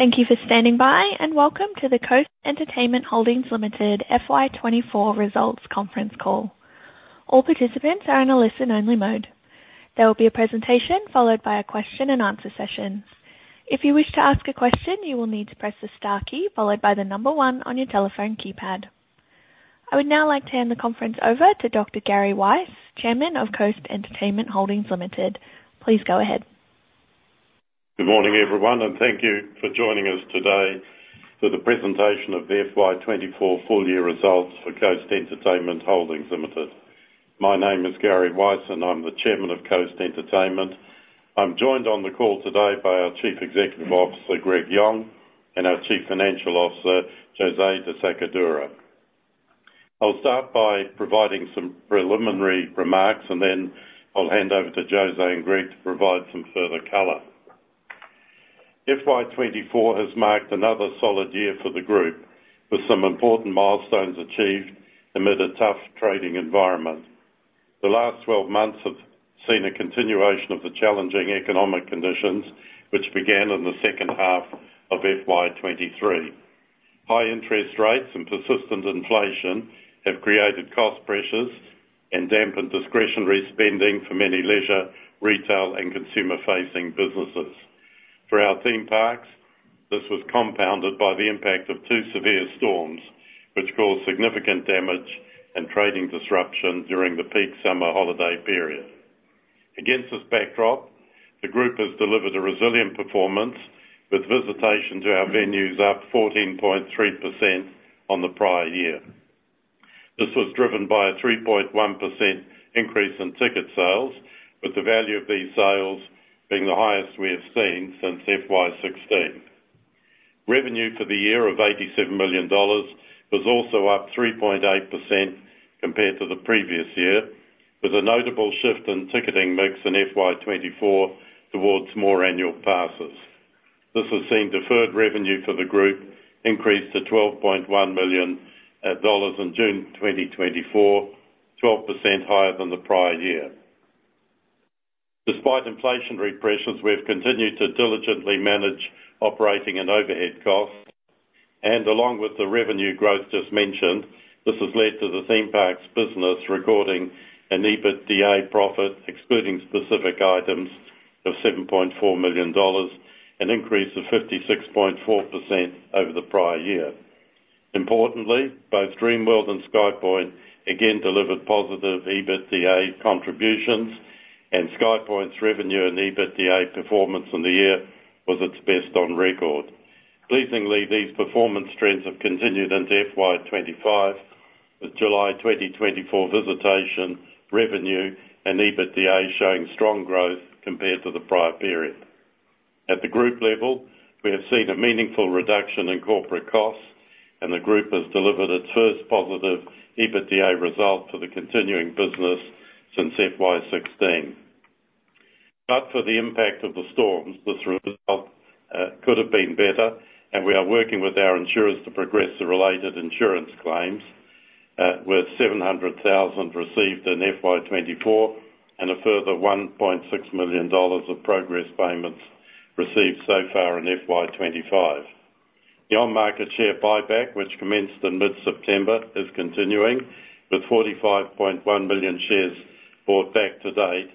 Thank you for standing by, and welcome to the Coast Entertainment Holdings Limited FY 2024 results conference call. All participants are in a listen-only mode. There will be a presentation followed by a question and answer session. If you wish to ask a question, you will need to press the star key followed by the number one on your telephone keypad. I would now like to hand the conference over to Dr. Gary Weiss, Chairman of Coast Entertainment Holdings Limited. Please go ahead. Good morning, everyone, and thank you for joining us today for the presentation of the FY 2024 full year results for Coast Entertainment Holdings Limited. My name is Gary Weiss, and I'm the Chairman of Coast Entertainment. I'm joined on the call today by our Chief Executive Officer, Greg Yong, and our Chief Financial Officer, José de Sacadura. I'll start by providing some preliminary remarks, and then I'll hand over to José and Greg to provide some further color. FY 2024 has marked another solid year for the group, with some important milestones achieved amid a tough trading environment. The last 12 months have seen a continuation of the challenging economic conditions, which began in the second half of FY 2023. High interest rates and persistent inflation have created cost pressures and dampened discretionary spending for many leisure, retail, and consumer-facing businesses. For our theme parks, this was compounded by the impact of two severe storms, which caused significant damage and trading disruption during the peak summer holiday period. Against this backdrop, the group has delivered a resilient performance, with visitation to our venues up 14.3% on the prior year. This was driven by a 3.1% increase in ticket sales, with the value of these sales being the highest we have seen since FY 2016. Revenue for the year of AUD 87 million was also up 3.8% compared to the previous year, with a notable shift in ticketing mix in FY 2024 towards more annual passes. This has seen deferred revenue for the group increase to 12.1 million dollars in June 2024, 12% higher than the prior year. Despite inflationary pressures, we have continued to diligently manage operating and overhead costs, and along with the revenue growth just mentioned, this has led to the theme parks business recording an EBITDA profit, excluding specific items, of 7.4 million dollars, an increase of 56.4% over the prior year. Importantly, both Dreamworld and SkyPoint again delivered positive EBITDA contributions, and SkyPoint's revenue and EBITDA performance in the year was its best on record. Pleasingly, these performance trends have continued into FY 2025, with July 2024 visitation, revenue, and EBITDA showing strong growth compared to the prior period. At the group level, we have seen a meaningful reduction in corporate costs, and the group has delivered its first positive EBITDA result for the continuing business since FY 2016. But for the impact of the storms, this result could have been better, and we are working with our insurers to progress the related insurance claims, with 700,000 received in FY 2024 and a further 1.6 million dollars of progress payments received so far in FY 2025. The on-market share buyback, which commenced in mid-September, is continuing, with 45.1 million shares bought back to date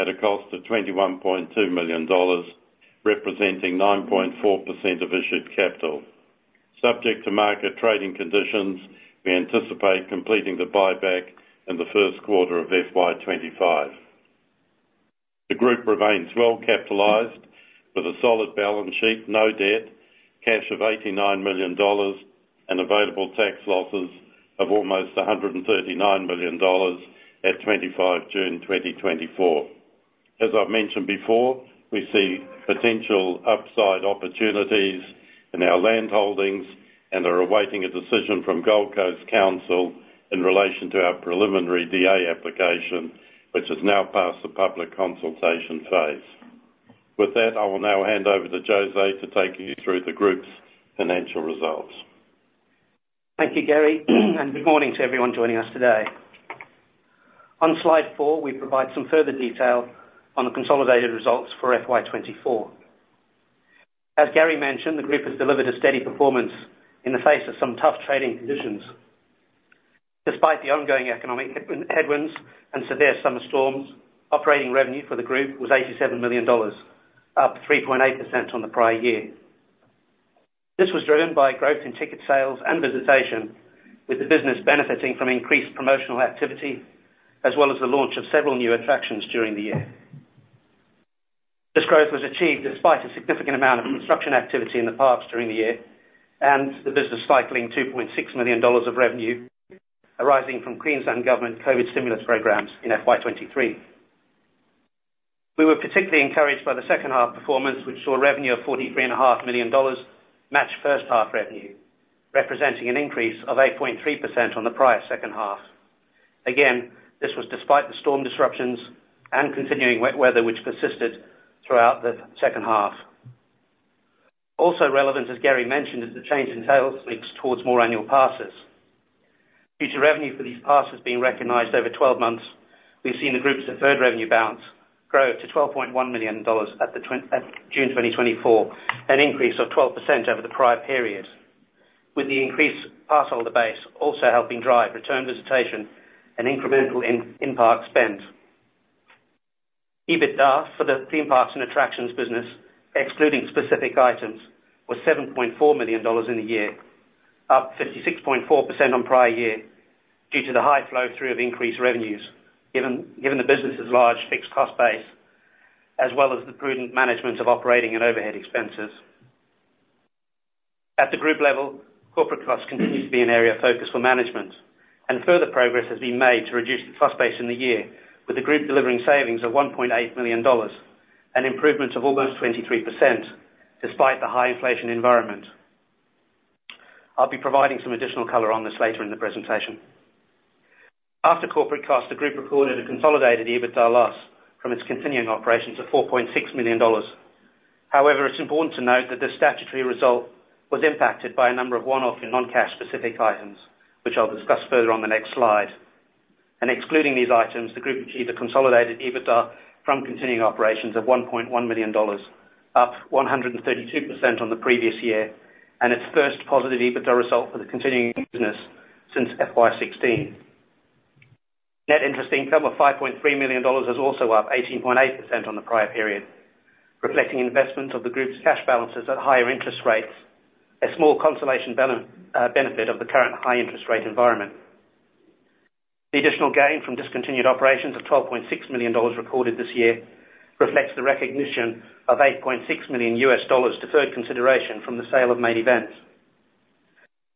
at a cost of 21.2 million dollars, representing 9.4% of issued capital. Subject to market trading conditions, we anticipate completing the buyback in the first quarter of FY 2025. The group remains well capitalized with a solid balance sheet, no debt, cash of 89 million dollars, and available tax losses of almost 139 million dollars at 25 June 2024. As I've mentioned before, we see potential upside opportunities in our land holdings and are awaiting a decision from Gold Coast Council in relation to our preliminary DA application, which has now passed the public consultation phase. With that, I will now hand over to José to take you through the group's financial results. Thank you, Gary, and good morning to everyone joining us today. On slide four, we provide some further detail on the consolidated results for FY 2024. As Gary mentioned, the group has delivered a steady performance in the face of some tough trading conditions. Despite the ongoing economic headwinds and severe summer storms, operating revenue for the group was 87 million dollars, up 3.8% on the prior year. This was driven by growth in ticket sales and visitation, with the business benefiting from increased promotional activity, as well as the launch of several new attractions during the year. This growth was achieved despite a significant amount of construction activity in the parks during the year and the business cycling 2.6 million dollars of revenue arising from Queensland Government COVID stimulus programs in FY 2023. We were particularly encouraged by the second half performance, which saw revenue of 43.5 million dollars match first half revenue, representing an increase of 8.3% on the prior second half. Again, this was despite the storm disruptions and continuing wet weather, which persisted throughout the second half. Also relevant, as Gary mentioned, is the change in sales mix towards more annual passes. Due to revenue for these passes being recognized over 12 months, we've seen the group's deferred revenue balance grow to 12.1 million dollars at June 2024, an increase of 12% over the prior period, with the increased pass holder base also helping drive return visitation and incremental in-park spend. EBITDA for the theme parks and attractions business, excluding specific items, was 7.4 million dollars in the year, up 56.4% on prior year, due to the high flow through of increased revenues, given the business' large fixed cost base, as well as the prudent management of operating and overhead expenses. At the group level, corporate costs continue to be an area of focus for management, and further progress has been made to reduce the cost base in the year, with the group delivering savings of 1.8 million dollars, an improvement of almost 23% despite the high inflation environment. I'll be providing some additional color on this later in the presentation. After corporate costs, the group recorded a consolidated EBITDA loss from its continuing operations of 4.6 million dollars. However, it's important to note that the statutory result was impacted by a number of one-off and non-cash specific items, which I'll discuss further on the next slide, and excluding these items, the group achieved a consolidated EBITDA from continuing operations of 1.1 million dollars, up 132% on the previous year, and its first positive EBITDA result for the continuing business since FY 2016. Net interest income of 5.3 million dollars is also up 18.8% on the prior period, reflecting investment of the group's cash balances at higher interest rates, a small consolation benefit of the current high interest rate environment. The additional gain from discontinued operations of 12.6 million dollars recorded this year reflects the recognition of $8.6 million deferred consideration from the sale of Main Event.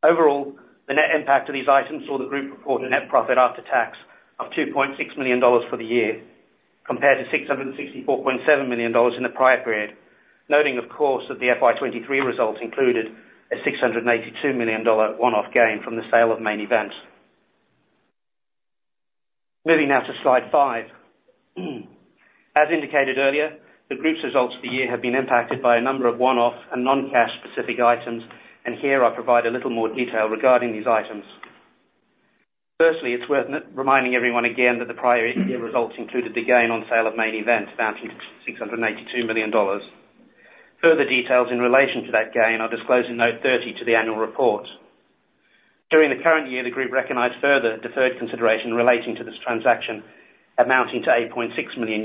Overall, the net impact of these items saw the group report a net profit after tax of 2.6 million dollars for the year, compared to 664.7 million dollars in the prior period. Noting, of course, that the FY 2023 results included a 682 million dollar one-off gain from the sale of Main Event. Moving now to slide five. As indicated earlier, the group's results for the year have been impacted by a number of one-off and non-cash specific items, and here I'll provide a little more detail regarding these items. Firstly, it's worth reminding everyone again that the prior year results included the gain on sale of Main Event, amounting to 682 million dollars. Further details in relation to that gain are disclosed in Note 30 to the annual report. During the current year, the group recognized further deferred consideration relating to this transaction, amounting to $8.6 million,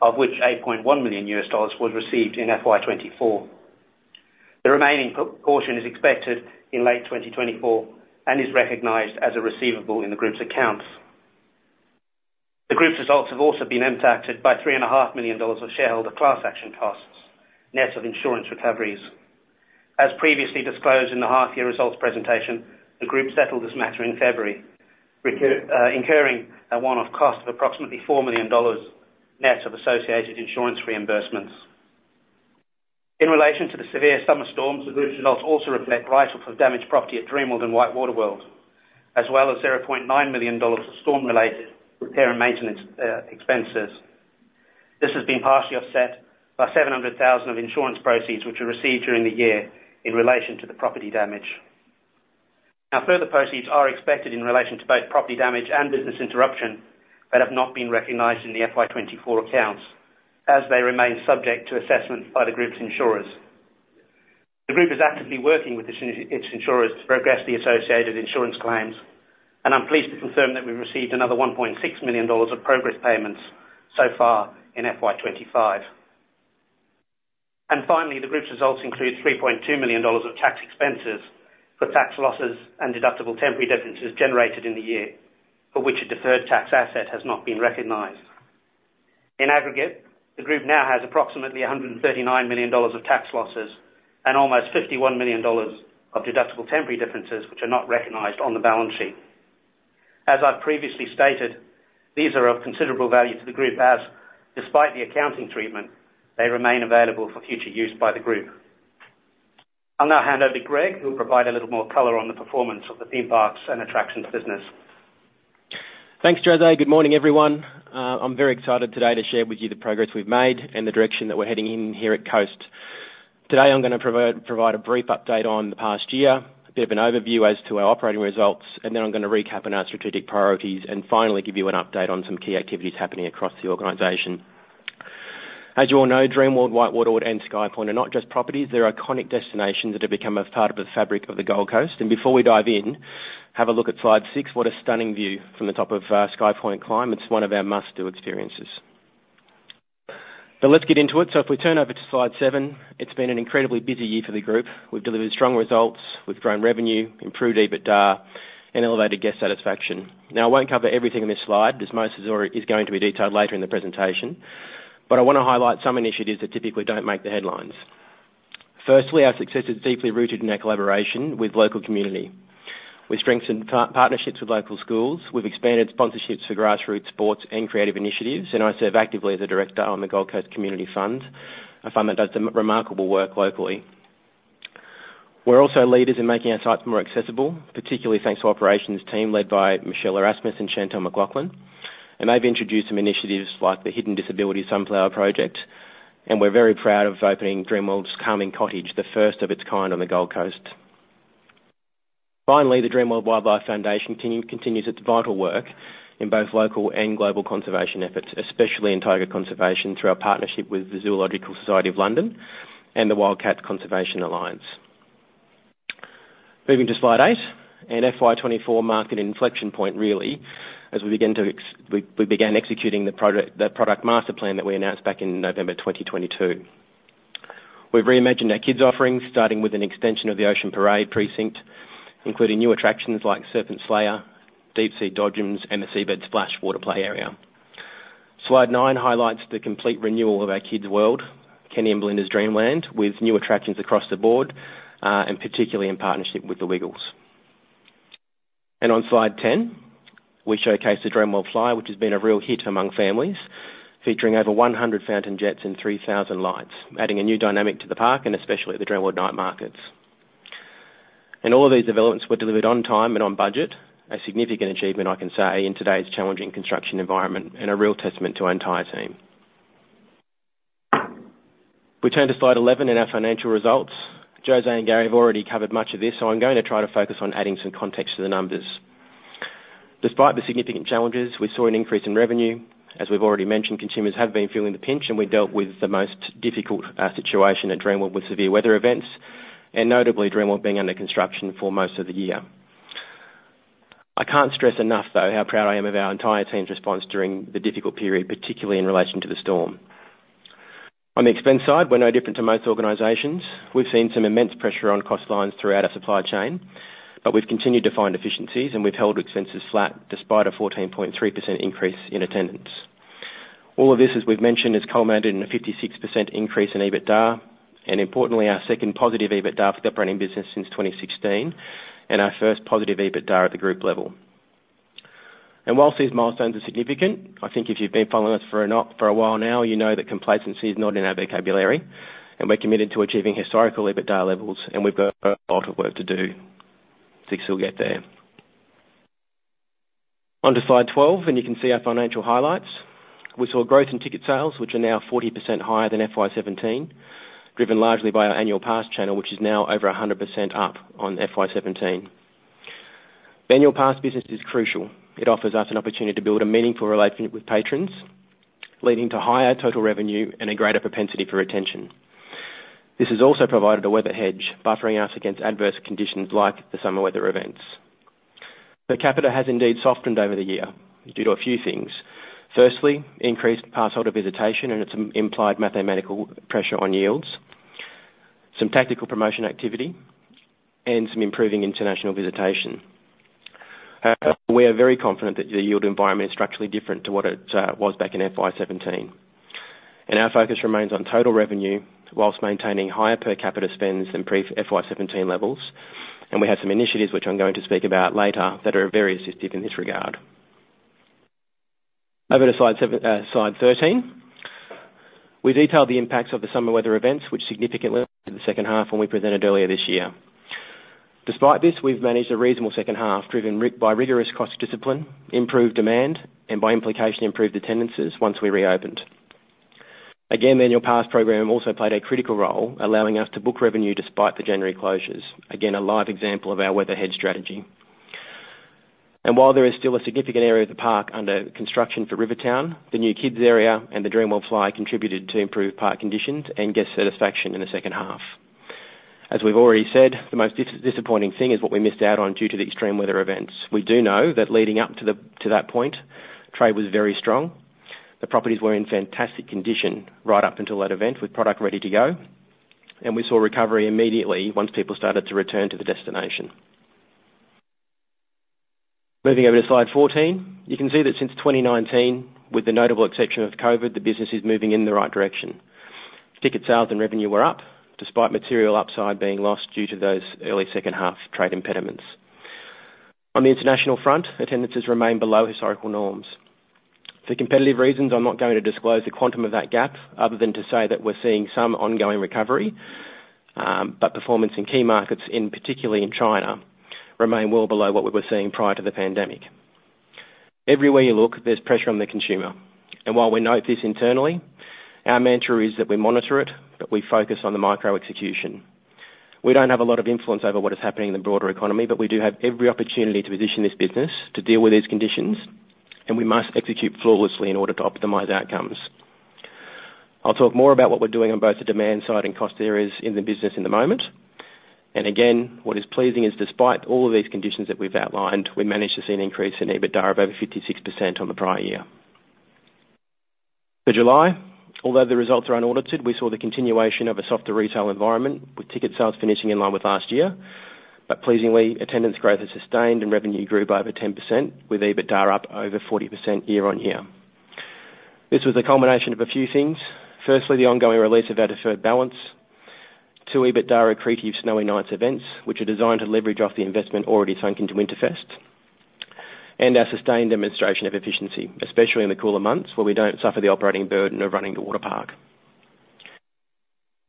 of which $8.1 million was received in FY 2024. The remaining portion is expected in late 2024 and is recognized as a receivable in the group's accounts. The group's results have also been impacted by $3.5 million of shareholder class action costs, net of insurance recoveries. As previously disclosed in the half year results presentation, the group settled this matter in February, incurring a one-off cost of approximately $4 million, net of associated insurance reimbursements. In relation to the severe summer storms, the group's results also reflect write-off of damaged property at Dreamworld and WhiteWater World, as well as $0.9 million of storm-related repair and maintenance expenses. This has been partially offset by 700,000 of insurance proceeds, which were received during the year in relation to the property damage. Now, further proceeds are expected in relation to both property damage and Business Interruption, but have not been recognized in the FY 2024 accounts, as they remain subject to assessment by the group's insurers. The group is actively working with its insurers to progress the associated insurance claims, and I'm pleased to confirm that we've received another 1.6 million dollars of progress payments so far in FY 2025. Finally, the group's results include 3.2 million dollars of tax expenses for tax losses and deductible temporary differences generated in the year, for which a deferred tax asset has not been recognized. In aggregate, the group now has approximately 139 million dollars of tax losses and almost 51 million dollars of deductible temporary differences, which are not recognized on the balance sheet. As I've previously stated, these are of considerable value to the group, as despite the accounting treatment, they remain available for future use by the group. I'll now hand over to Greg, who'll provide a little more color on the performance of the theme parks and attractions business. Thanks, José. Good morning, everyone. I'm very excited today to share with you the progress we've made and the direction that we're heading in here at Coast. Today, I'm going to provide a brief update on the past year, a bit of an overview as to our operating results, and then I'm going to recap on our strategic priorities, and finally, give you an update on some key activities happening across the organization. As you all know, Dreamworld, WhiteWater, and SkyPoint are not just properties, they're iconic destinations that have become a part of the fabric of the Gold Coast. And before we dive in, have a look at slide six. What a stunning view from the top of SkyPoint Climb. It's one of our must-do experiences. But let's get into it. So if we turn over to slide seven, it's been an incredibly busy year for the group. We've delivered strong results, we've grown revenue, improved EBITDA, and elevated guest satisfaction. Now, I won't cover everything in this slide, because most is already going to be detailed later in the presentation, but I want to highlight some initiatives that typically don't make the headlines. Firstly, our success is deeply rooted in our collaboration with local community. We've strengthened partnerships with local schools. We've expanded sponsorships for grassroots sports and creative initiatives, and I serve actively as a director on the Gold Coast Community Fund, a fund that does some remarkable work locally. We're also leaders in making our sites more accessible, particularly thanks to operations team led by Michelle Erasmus and Chantelle McLaughlin. They've introduced some initiatives like the Hidden Disability Sunflower Project, and we're very proud of opening Dreamworld's Calming Cottage, the first of its kind on the Gold Coast. Finally, the Dreamworld Wildlife Foundation continues its vital work in both local and global conservation efforts, especially in tiger conservation, through our partnership with the Zoological Society of London and the Wildcat Conservation Alliance. Moving to slide eight, in FY 2024 market inflection point, really, as we began executing the product master plan that we announced back in November 2022. We've reimagined our kids' offerings, starting with an extension of the Ocean Parade precinct, including new attractions like Serpent Slayer, Deep Sea Dodgems, and the Seabed Splash Water Play Area. Slide nine highlights the complete renewal of our kids' world, Kenny and Belinda's Dreamland, with new attractions across the board, and particularly in partnership with The Wiggles. And on slide 10, we showcase the Dreamworld Flyer, which has been a real hit among families, featuring over 100 fountain jets and 3,000 lights, adding a new dynamic to the park and especially the Dreamworld Night Markets. And all of these developments were delivered on time and on budget, a significant achievement, I can say, in today's challenging construction environment, and a real testament to our entire team. We turn to slide 11 and our financial results. José and Gary have already covered much of this, so I'm going to try to focus on adding some context to the numbers. Despite the significant challenges, we saw an increase in revenue. As we've already mentioned, consumers have been feeling the pinch, and we dealt with the most difficult situation at Dreamworld with severe weather events, and notably Dreamworld being under construction for most of the year. I can't stress enough, though, how proud I am of our entire team's response during the difficult period, particularly in relation to the storm. On the expense side, we're no different to most organizations. We've seen some immense pressure on cost lines throughout our supply chain, but we've continued to find efficiencies, and we've held expenses flat despite a 14.3% increase in attendance. All of this, as we've mentioned, has culminated in a 56% increase in EBITDA, and importantly, our second positive EBITDA for the operating business since 2016, and our first positive EBITDA at the group level. While these milestones are significant, I think if you've been following us for a while now, you know that complacency is not in our vocabulary, and we're committed to achieving historical EBITDA levels, and we've got a lot of work to do, think we'll get there. On to slide 12, and you can see our financial highlights. We saw growth in ticket sales, which are now 40% higher than FY 2017, driven largely by our annual pass channel, which is now over 100% up on FY 2017. The annual pass business is crucial. It offers us an opportunity to build a meaningful relationship with patrons, leading to higher total revenue and a greater propensity for retention. This has also provided a weather hedge, buffering us against adverse conditions like the summer weather events. Per capita has indeed softened over the year due to a few things. Firstly, increased pass holder visitation and its implied mathematical pressure on yields, some tactical promotion activity, and some improving international visitation. We are very confident that the yield environment is structurally different to what it was back in FY 2017, and our focus remains on total revenue whilst maintaining higher per capita spends than pre FY 2017 levels, and we have some initiatives which I'm going to speak about later that are very assistive in this regard. Over to slide 13. We detailed the impacts of the summer weather events, which significantly the second half when we presented earlier this year. Despite this, we've managed a reasonable second half, driven by rigorous cost discipline, improved demand, and by implication, improved attendances once we reopened. Again, the annual pass program also played a critical role, allowing us to book revenue despite the January closures. Again, a live example of our weather hedge strategy. And while there is still a significant area of the park under construction for Rivertown, the new kids' area and the Dreamworld Flyer contributed to improved park conditions and guest satisfaction in the second half. As we've already said, the most disappointing thing is what we missed out on due to the extreme weather events. We do know that leading up to that point, trade was very strong. The properties were in fantastic condition right up until that event, with product ready to go, and we saw a recovery immediately once people started to return to the destination. Moving over to slide 14, you can see that since 2019, with the notable exception of COVID, the business is moving in the right direction. Ticket sales and revenue were up, despite material upside being lost due to those early second half trade impediments. On the international front, attendances remain below historical norms. For competitive reasons, I'm not going to disclose the quantum of that gap, other than to say that we're seeing some ongoing recovery, but performance in key markets, particularly in China, remain well below what we were seeing prior to the pandemic. Everywhere you look, there's pressure on the consumer, and while we note this internally, our mantra is that we monitor it, but we focus on the micro execution. We don't have a lot of influence over what is happening in the broader economy, but we do have every opportunity to position this business to deal with these conditions, and we must execute flawlessly in order to optimize outcomes. I'll talk more about what we're doing on both the demand side and cost areas in the business in the moment. And again, what is pleasing is, despite all of these conditions that we've outlined, we managed to see an increase in EBITDA of over 56% on the prior year. For July, although the results are unaudited, we saw the continuation of a softer retail environment, with ticket sales finishing in line with last year. But pleasingly, attendance growth is sustained and revenue grew by over 10%, with EBITDA up over 40% year-on-year. This was a combination of a few things. Firstly, the ongoing release of our deferred balance to EBITDA accretive Snowy Nights events, which are designed to leverage off the investment already sunk into Winterfest, and our sustained demonstration of efficiency, especially in the cooler months where we don't suffer the operating burden of running the water park.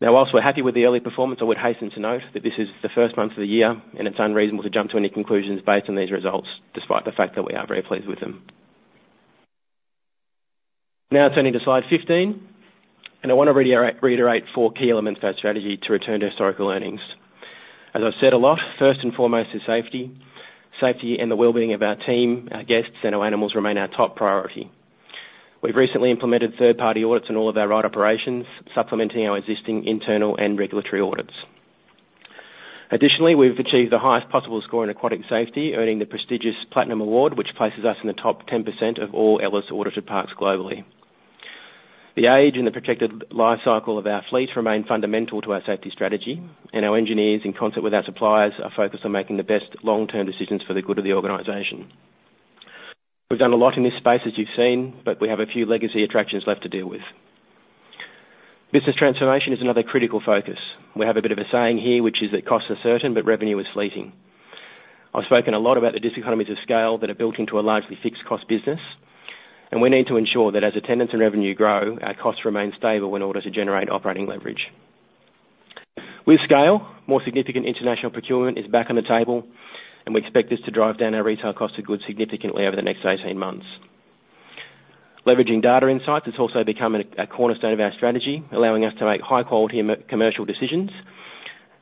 Now, while we're happy with the early performance, I would hasten to note that this is the first month of the year, and it's unreasonable to jump to any conclusions based on these results, despite the fact that we are very pleased with them. Now turning to slide 15, and I want to reiterate four key elements of our strategy to return to historical earnings. As I've said a lot, first and foremost is safety. Safety and the well-being of our team, our guests, and our animals remain our top priority. We've recently implemented third-party audits in all of our ride operations, supplementing our existing internal and regulatory audits. Additionally, we've achieved the highest possible score in aquatic safety, earning the prestigious Platinum Award, which places us in the top 10% of all Ellis audited parks globally. The age and the projected life cycle of our fleet remain fundamental to our safety strategy, and our engineers, in concert with our suppliers, are focused on making the best long-term decisions for the good of the organization. We've done a lot in this space, as you've seen, but we have a few legacy attractions left to deal with. Business transformation is another critical focus. We have a bit of a saying here, which is that, "Costs are certain, but revenue is fleeting." I've spoken a lot about the diseconomies of scale that are built into a largely fixed-cost business, and we need to ensure that as attendance and revenue grow, our costs remain stable in order to generate operating leverage. With scale, more significant international procurement is back on the table, and we expect this to drive down our retail cost of goods significantly over the next 18 months. Leveraging data insights has also become a cornerstone of our strategy, allowing us to make high-quality commercial decisions,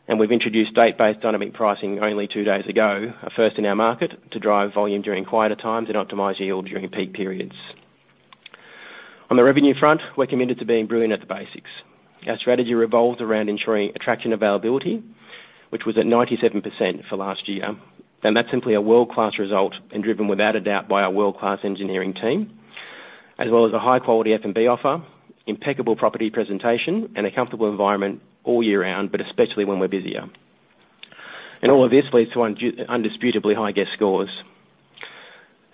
and we've introduced date-based dynamic pricing only two days ago, a first in our market, to drive volume during quieter times and optimize yield during peak periods. On the revenue front, we're committed to being brilliant at the basics. Our strategy revolves around ensuring attraction availability, which was at 97% for last year, and that's simply a world-class result and driven without a doubt by our world-class engineering team, as well as a high-quality F&B offer, impeccable property presentation, and a comfortable environment all year round, but especially when we're busier, and all of this leads to indisputably high guest scores.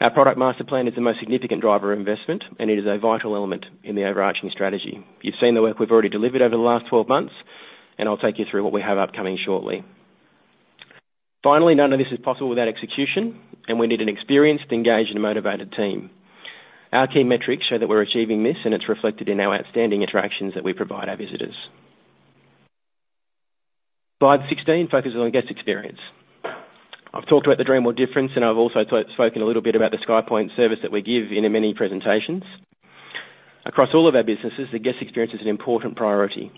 Our product master plan is the most significant driver of investment, and it is a vital element in the overarching strategy. You've seen the work we've already delivered over the last 12 months, and I'll take you through what we have upcoming shortly. Finally, none of this is possible without execution, and we need an experienced, engaged, and motivated team. Our key metrics show that we're achieving this, and it's reflected in our outstanding attractions that we provide our visitors. Slide 16 focuses on guest experience. I've talked about the Dreamworld difference, and I've also spoken a little bit about the SkyPoint service that we give in many presentations. Across all of our businesses, the guest experience is an important priority.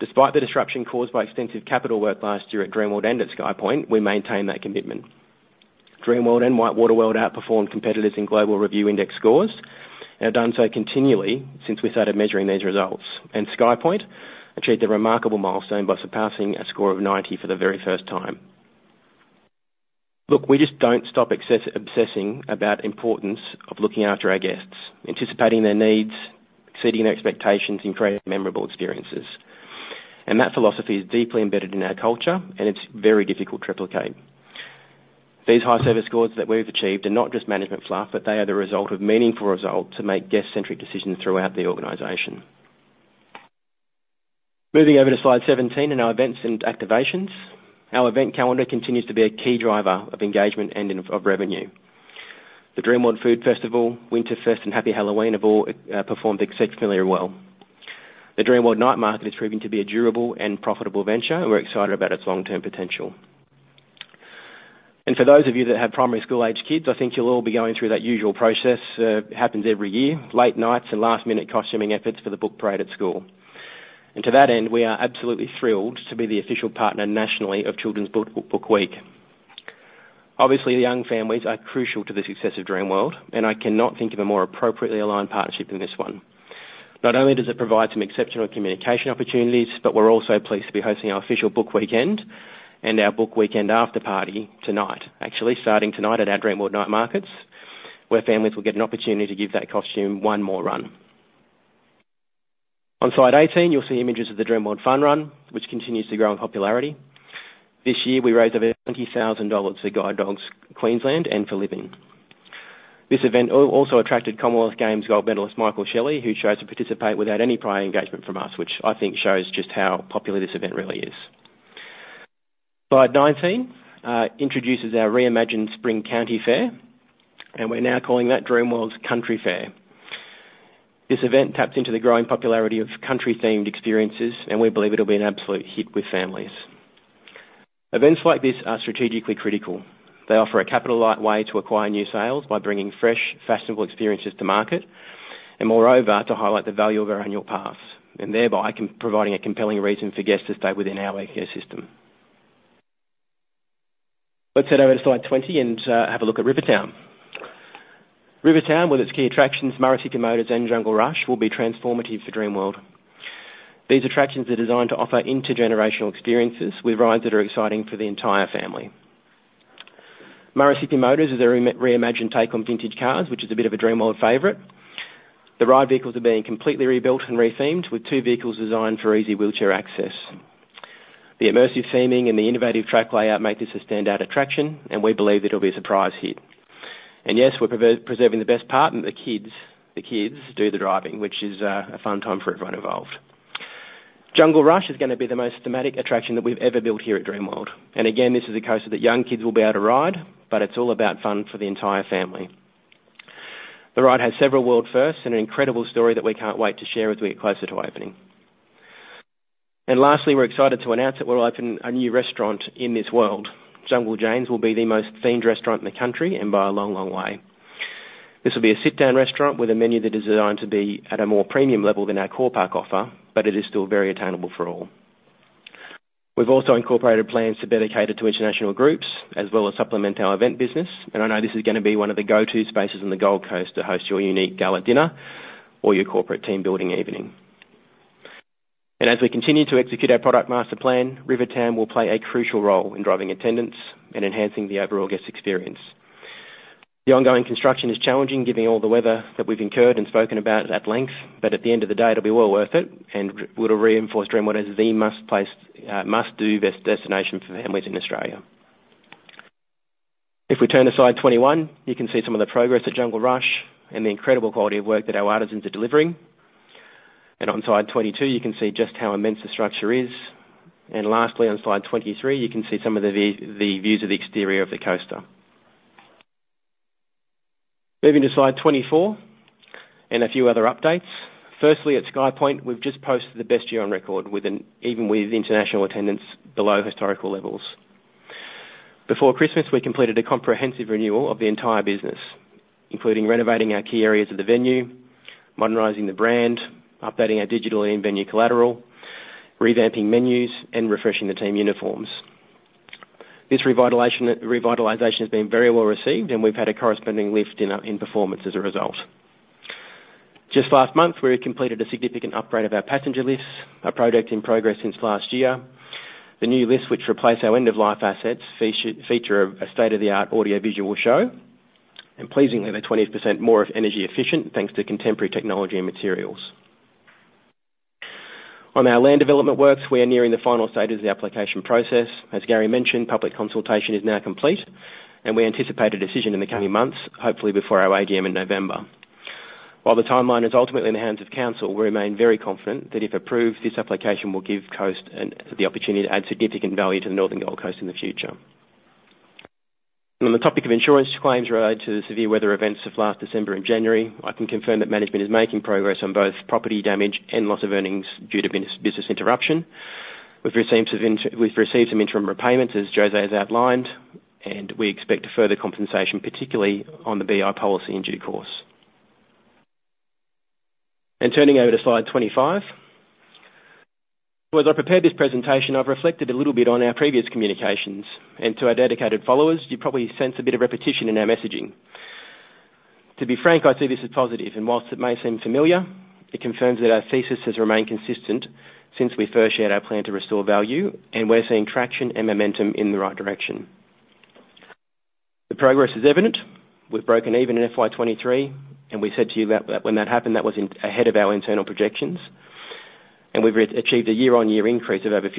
Despite the disruption caused by extensive capital work last year at Dreamworld and at SkyPoint, we maintained that commitment. Dreamworld and WhiteWater World outperformed competitors in Global Review Index scores and have done so continually since we started measuring these results. SkyPoint achieved a remarkable milestone by surpassing a score of 90 for the very first time. Look, we just don't stop obsessing about importance of looking after our guests, anticipating their needs, exceeding their expectations, and creating memorable experiences. That philosophy is deeply embedded in our culture, and it's very difficult to replicate. These high service scores that we've achieved are not just management fluff, but they are the result of meaningful result to make guest-centric decisions throughout the organization. Moving over to slide 17 in our events and activations. Our event calendar continues to be a key driver of engagement and of revenue. The Dreamworld Food Festival, Winterfest, and Happy Halloween have all performed exceptionally well. The Dreamworld Night Market is proving to be a durable and profitable venture, and we're excited about its long-term potential. For those of you that have primary school-aged kids, I think you'll all be going through that usual process happens every year, late nights and last-minute costuming efforts for the book parade at school. To that end, we are absolutely thrilled to be the official partner, nationally, of Children's Book Week. Obviously, the young families are crucial to the success of Dreamworld, and I cannot think of a more appropriately aligned partnership than this one. Not only does it provide some exceptional communication opportunities, but we're also pleased to be hosting our official Book Week end and our Book Week end after-party tonight. Actually, starting tonight at our Dreamworld Night Markets, where families will get an opportunity to give that costume one more run. On slide 18, you'll see images of the Dreamworld Fun Run, which continues to grow in popularity. This year, we raised over 20,000 dollars for Guide Dogs Queensland and for LIVIN. This event also attracted Commonwealth Games gold medalist Michael Shelley, who chose to participate without any prior engagement from us, which I think shows just how popular this event really is. Slide 19 introduces our reimagined Spring County Fair, and we're now calling that Dreamworld's Country Fair. This event taps into the growing popularity of country-themed experiences, and we believe it'll be an absolute hit with families. Events like this are strategically critical. They offer a capital light way to acquire new sales by bringing fresh, fashionable experiences to market, and moreover, to highlight the value of our annual pass, and thereby providing a compelling reason for guests to stay within our ecosystem. Let's head over to slide 20 and have a look at Rivertown. Rivertown, with its key attractions, Murrissippi Motors and Jungle Rush, will be transformative for Dreamworld. These attractions are designed to offer intergenerational experiences with rides that are exciting for the entire family. Murrissippi Motors is a reimagined take on vintage cars, which is a bit of a Dreamworld favorite. The ride vehicles are being completely rebuilt and rethemed, with two vehicles designed for easy wheelchair access. The immersive theming and the innovative track layout make this a standout attraction, and we believe it'll be a surprise hit. And yes, we're preserving the best part, and the kids, the kids do the driving, which is a fun time for everyone involved. Jungle Rush is going to be the most thematic attraction that we've ever built here at Dreamworld. And again, this is a coaster that young kids will be able to ride, but it's all about fun for the entire family. The ride has several world firsts and an incredible story that we can't wait to share as we get closer to opening. And lastly, we're excited to announce that we'll open a new restaurant in this world. Jungle Jane's will be the most themed restaurant in the country, and by a long, long way. This will be a sit-down restaurant with a menu that is designed to be at a more premium level than our core park offer, but it is still very attainable for all. We've also incorporated plans to better cater to international groups, as well as supplement our event business. I know this is going to be one of the go-to spaces on the Gold Coast to host your unique gala dinner or your corporate team building evening. As we continue to execute our product master plan, Rivertown will play a crucial role in driving attendance and enhancing the overall guest experience. The ongoing construction is challenging, given all the weather that we've incurred and spoken about at length, but at the end of the day, it'll be well worth it, and it would have reinforced Dreamworld as the must-do destination for families in Australia. If we turn to slide 21, you can see some of the progress at Jungle Rush and the incredible quality of work that our artisans are delivering. On slide 22, you can see just how immense the structure is. Lastly, on slide 23, you can see the views of the exterior of the coaster. Moving to slide 24 and a few other updates. Firstly, at SkyPoint, we've just posted the best year on record, even with international attendance below historical levels. Before Christmas, we completed a comprehensive renewal of the entire business, including renovating our key areas of the venue, modernizing the brand, updating our digital and venue collateral, revamping menus, and refreshing the team uniforms. This revitalization has been very well received, and we've had a corresponding lift in our performance as a result. Just last month, we completed a significant upgrade of our passenger lists, a project in progress since last year. The new lists, which replace our end-of-life assets, feature a state-of-the-art audiovisual show, and pleasingly, they're 20% more energy efficient, thanks to contemporary technology and materials. On our land development works, we are nearing the final stages of the application process. As Gary mentioned, public consultation is now complete, and we anticipate a decision in the coming months, hopefully before our AGM in November. While the timeline is ultimately in the hands of council, we remain very confident that if approved, this application will give Coast the opportunity to add significant value to the Northern Gold Coast in the future. On the topic of insurance claims related to the severe weather events of last December and January, I can confirm that management is making progress on both property damage and loss of earnings due to business interruption. We've received some interim repayments, as José has outlined, and we expect further compensation, particularly on the BI policy, in due course, turning over to slide 25. As I prepared this presentation, I've reflected a little bit on our previous communications, and to our dedicated followers, you probably sense a bit of repetition in our messaging. To be frank, I see this as positive, and while it may seem familiar, it confirms that our thesis has remained consistent since we first shared our plan to restore value, and we're seeing traction and momentum in the right direction. The progress is evident. We've broken even in FY 2023, and we said to you that when that happened, that was ahead of our internal projections, and we've achieved a year-on-year increase of over 50%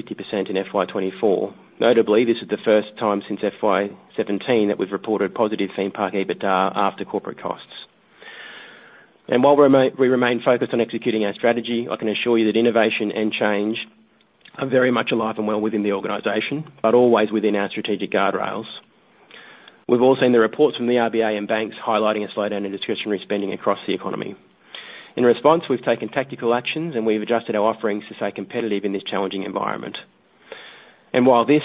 in FY 2024. Notably, this is the first time since FY 2017 that we've reported positive theme park EBITDA after corporate costs. And while we remain focused on executing our strategy, I can assure you that innovation and change are very much alive and well within the organization, but always within our strategic guardrails. We've all seen the reports from the RBA and banks highlighting a slowdown in discretionary spending across the economy. In response, we've taken tactical actions, and we've adjusted our offerings to stay competitive in this challenging environment. And while this,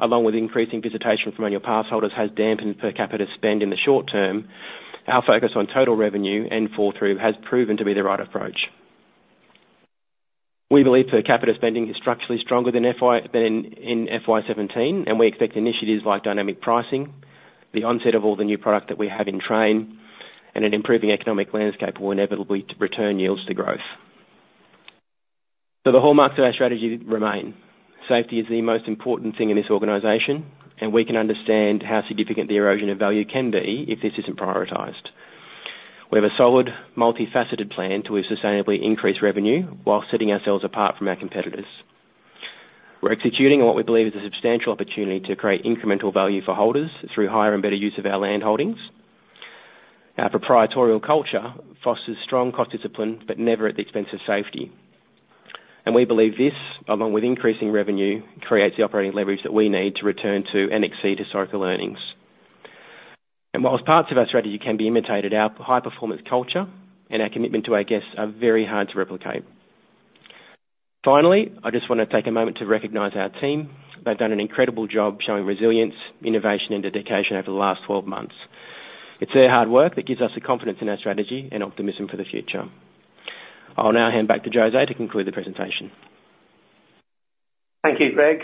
along with increasing visitation from annual pass holders, has dampened per capita spend in the short term, our focus on total revenue and fall-through has proven to be the right approach. We believe per capita spending is structurally stronger than in FY 2017, and we expect initiatives like dynamic pricing, the onset of all the new product that we have in train, and an improving economic landscape will inevitably return yields to growth. So the hallmarks of our strategy remain. Safety is the most important thing in this organization, and we can understand how significant the erosion of value can be if this isn't prioritized. We have a solid, multifaceted plan to sustainably increase revenue while setting ourselves apart from our competitors. We're executing on what we believe is a substantial opportunity to create incremental value for holders through higher and better use of our land holdings. Our proprietary culture fosters strong cost discipline, but never at the expense of safety. And we believe this, along with increasing revenue, creates the operating leverage that we need to return to and exceed historical earnings. And while parts of our strategy can be imitated, our high-performance culture and our commitment to our guests are very hard to replicate. Finally, I just want to take a moment to recognize our team. They've done an incredible job showing resilience, innovation, and dedication over the last 12 months. It's their hard work that gives us the confidence in our strategy and optimism for the future. I'll now hand back to José to conclude the presentation. Thank you, Greg.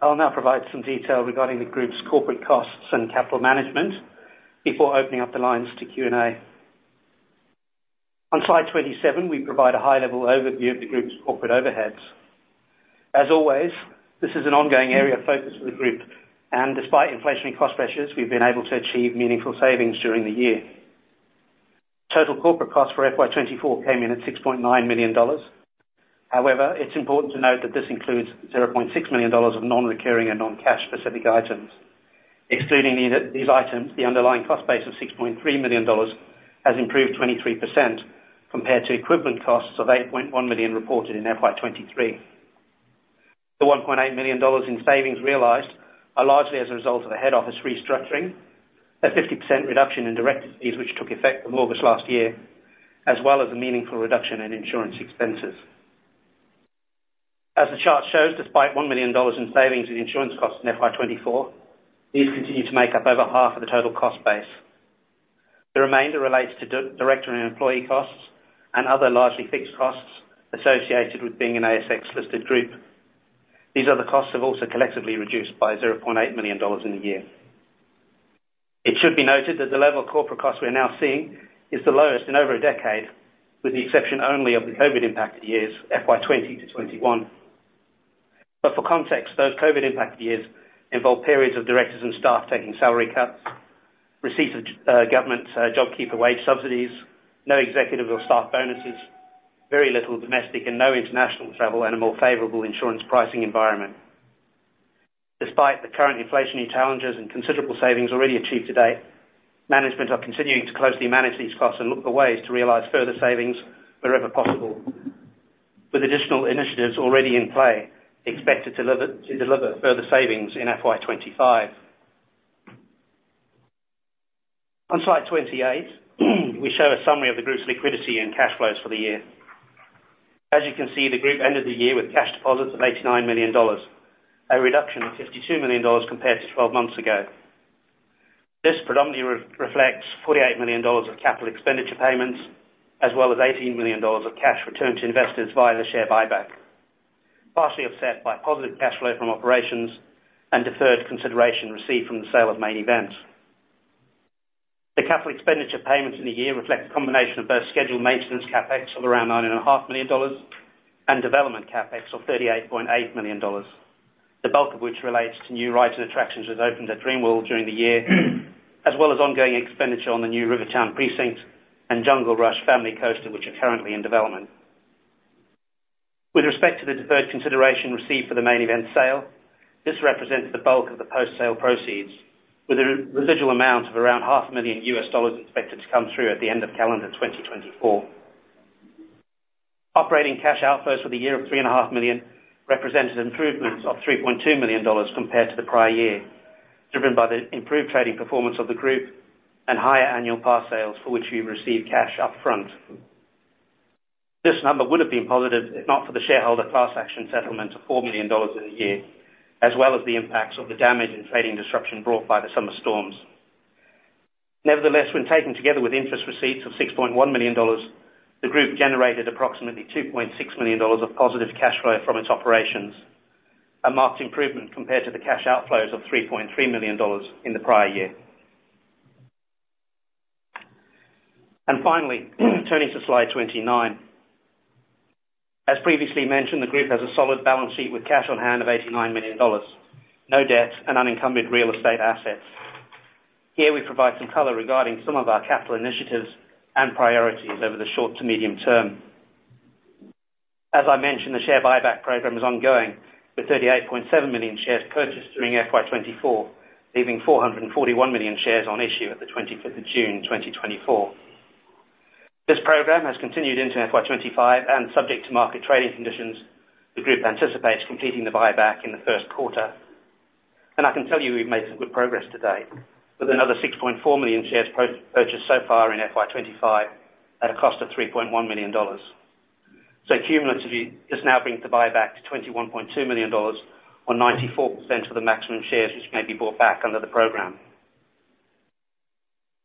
I'll now provide some detail regarding the group's corporate costs and capital management before opening up the lines to Q&A. On slide 27, we provide a high-level overview of the group's corporate overheads. As always, this is an ongoing area of focus for the group, and despite inflationary cost pressures, we've been able to achieve meaningful savings during the year. Total corporate costs for FY 2024 came in at $6.9 million. However, it's important to note that this includes $0.6 million of non-recurring and non-cash-specific items. Excluding these items, the underlying cost base of $6.3 million has improved 23% compared to equivalent costs of $8.1 million reported in FY 2023. The 1.8 million dollars in savings realized are largely as a result of the head office restructuring, a 50% reduction in direct fees, which took effect from August last year, as well as a meaningful reduction in insurance expenses. As the chart shows, despite 1 million dollars in savings in insurance costs in FY 2024, these continue to make up over half of the total cost base. The remainder relates to director and employee costs and other largely fixed costs associated with being an ASX listed group. These other costs have also collectively reduced by 0.8 million dollars in a year. It should be noted that the level of corporate costs we are now seeing is the lowest in over a decade, with the exception only of the COVID impacted years, FY 2021. But for context, those COVID impacted years involve periods of directors and staff taking salary cuts, receipts of government JobKeeper wage subsidies, no executive or staff bonuses, very little domestic and no international travel, and a more favorable insurance pricing environment. Despite the current inflationary challenges and considerable savings already achieved to date, management are continuing to closely manage these costs and look for ways to realize further savings wherever possible, with additional initiatives already in play expected to deliver further savings in FY 2025. On slide 28, we show a summary of the group's liquidity and cash flows for the year. As you can see, the group ended the year with cash deposits of 89 million dollars, a reduction of 52 million dollars compared to 12 months ago. This predominantly reflects 48 million dollars of capital expenditure payments, as well as 18 million dollars of cash returned to investors via the share buyback, partially offset by positive cash flow from operations and deferred consideration received from the sale of Main Event. The capital expenditure payments in the year reflect a combination of both scheduled maintenance CapEx of around 9.5 million dollars and development CapEx of 38.8 million dollars. The bulk of which relates to new rides and attractions, which opened at Dreamworld during the year, as well as ongoing expenditure on the new Rivertown precinct and Jungle Rush family coaster, which are currently in development. With respect to the deferred consideration received for the Main Event sale, this represents the bulk of the post-sale proceeds, with a residual amount of around $500,000 expected to come through at the end of calendar 2024. Operating cash outflows for the year of 3.5 million represented improvements of 3.2 million dollars compared to the prior year, driven by the improved trading performance of the group and higher annual pass sales, for which we received cash upfront. This number would have been positive, if not for the shareholder class action settlement of 4 million dollars in the year, as well as the impacts of the damage and trading disruption brought by the summer storms. Nevertheless, when taken together with interest receipts of 6.1 million dollars, the group generated approximately 2.6 million dollars of positive cash flow from its operations, a marked improvement compared to the cash outflows of 3.3 million dollars in the prior year. Finally, turning to slide 29. As previously mentioned, the group has a solid balance sheet with cash on hand of 89 million dollars, no debt and unencumbered real estate assets. Here we provide some color regarding some of our capital initiatives and priorities over the short to medium term. As I mentioned, the share buyback program is ongoing, with 38.7 million shares purchased during FY 2024, leaving 441 million shares on issue at the 25th of June 2024. This program has continued into FY 2025, and subject to market trading conditions, the group anticipates completing the buyback in the first quarter. And I can tell you we've made some good progress to date, with another 6.4 million shares purchased so far in FY 2025 at a cost of 3.1 million dollars. So cumulatively, this now brings the buyback to 21.2 million dollars or 94% of the maximum shares, which may be bought back under the program.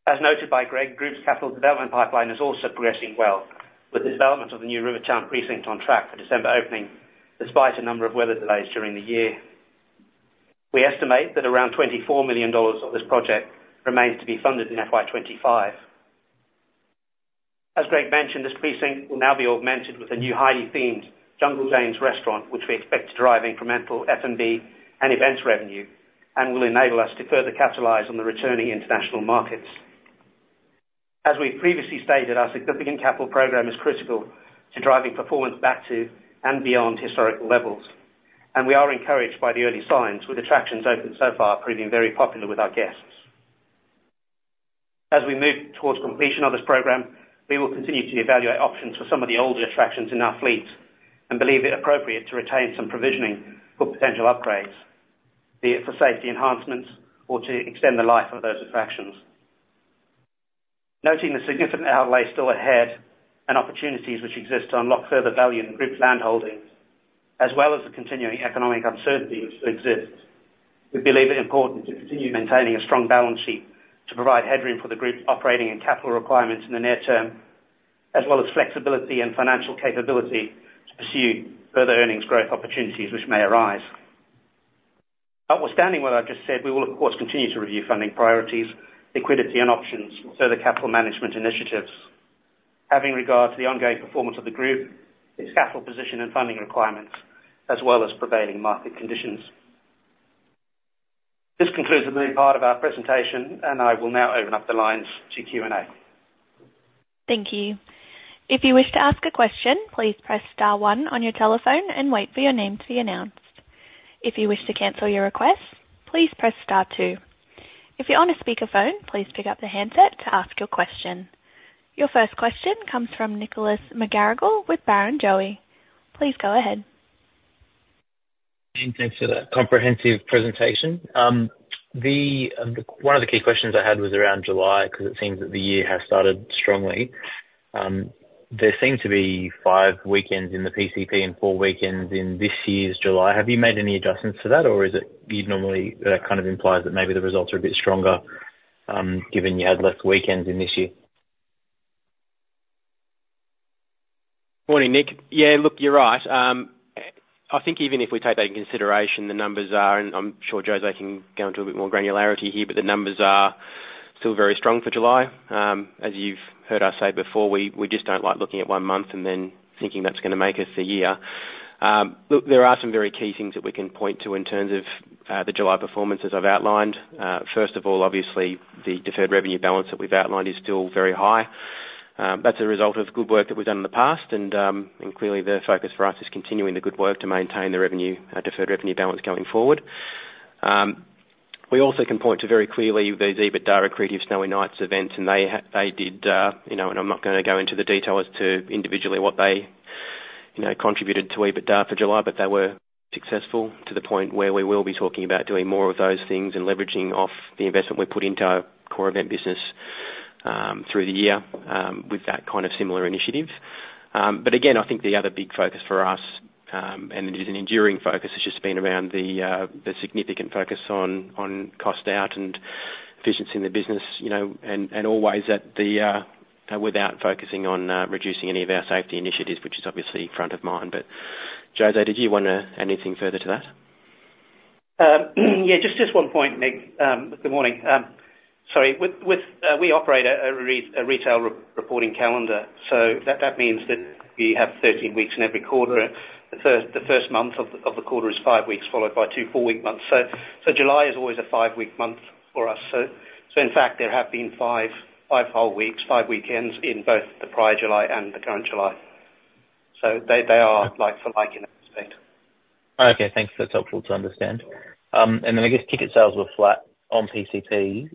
As noted by Greg, group's capital development pipeline is also progressing well, with the development of the new Rivertown precinct on track for December opening, despite a number of weather delays during the year. We estimate that around 24 million dollars of this project remains to be funded in FY 2025. As Greg mentioned, this precinct will now be augmented with a new highly themed Jungle Jane's restaurant, which we expect to drive incremental F&B and events revenue and will enable us to further capitalize on the returning international markets. As we've previously stated, our significant capital program is critical to driving performance back to and beyond historical levels, and we are encouraged by the early signs, with attractions opened so far proving very popular with our guests. As we move towards completion of this program, we will continue to evaluate options for some of the older attractions in our fleet and believe it appropriate to retain some provisioning for potential upgrades, be it for safety enhancements or to extend the life of those attractions. Noting the significant outlay still ahead and opportunities which exist to unlock further value in the group's land holdings, as well as the continuing economic uncertainty which still exists, we believe it important to continue maintaining a strong balance sheet to provide headroom for the group's operating and capital requirements in the near term, as well as flexibility and financial capability to pursue further earnings growth opportunities which may arise. Notwithstanding what I've just said, we will of course continue to review funding priorities, liquidity and options, further capital management initiatives, having regard to the ongoing performance of the group, its capital position and funding requirements, as well as prevailing market conditions. This concludes the main part of our presentation, and I will now open up the lines to Q&A. Thank you. If you wish to ask a question, please press star one on your telephone and wait for your name to be announced. If you wish to cancel your request, please press star two. If you're on a speakerphone, please pick up the handset to ask your question. Your first question comes from Nicholas McGarrigle with Barrenjoey. Please go ahead. Thanks for that comprehensive presentation. The one of the key questions I had was around July, 'cause it seems that the year has started strongly. There seemed to be five weekends in the PCP and four weekends in this year's July. Have you made any adjustments to that, or is it, you'd normally, that kind of implies that maybe the results are a bit stronger, given you had less weekends in this year? Morning, Nick. Yeah, look, you're right. I think even if we take that into consideration, the numbers are, and I'm sure José can go into a bit more granularity here, but the numbers are still very strong for July. As you've heard us say before, we just don't like looking at one month and then thinking that's gonna make us a year. Look, there are some very key things that we can point to in terms of the July performance, as I've outlined. First of all, obviously, the deferred revenue balance that we've outlined is still very high. That's a result of good work that we've done in the past, and clearly the focus for us is continuing the good work to maintain the revenue, our deferred revenue balance going forward. We also can point to very clearly these EBITDA accretive Snowy Nights events, and they did, you know, and I'm not gonna go into the detail as to individually what they, you know, contributed to EBITDA for July, but they were successful to the point where we will be talking about doing more of those things and leveraging off the investment we put into our core event business through the year with that kind of similar initiative, but again, I think the other big focus for us, and it is an enduring focus, has just been around the significant focus on cost out and efficiency in the business, you know, and always without focusing on reducing any of our safety initiatives, which is obviously front of mind. But José, did you want to add anything further to that? Yeah, just one point, Nick. Good morning. Sorry, we operate a retail reporting calendar, so that means that we have 13 weeks in every quarter. The first month of the quarter is five weeks, followed by two four-week months. So July is always a five-week month for us. So in fact, there have been five whole weeks, five weekends in both the prior July and the current July. So they are like for like in that respect. Okay, thanks. That's helpful to understand. And then I guess ticket sales were flat on PCP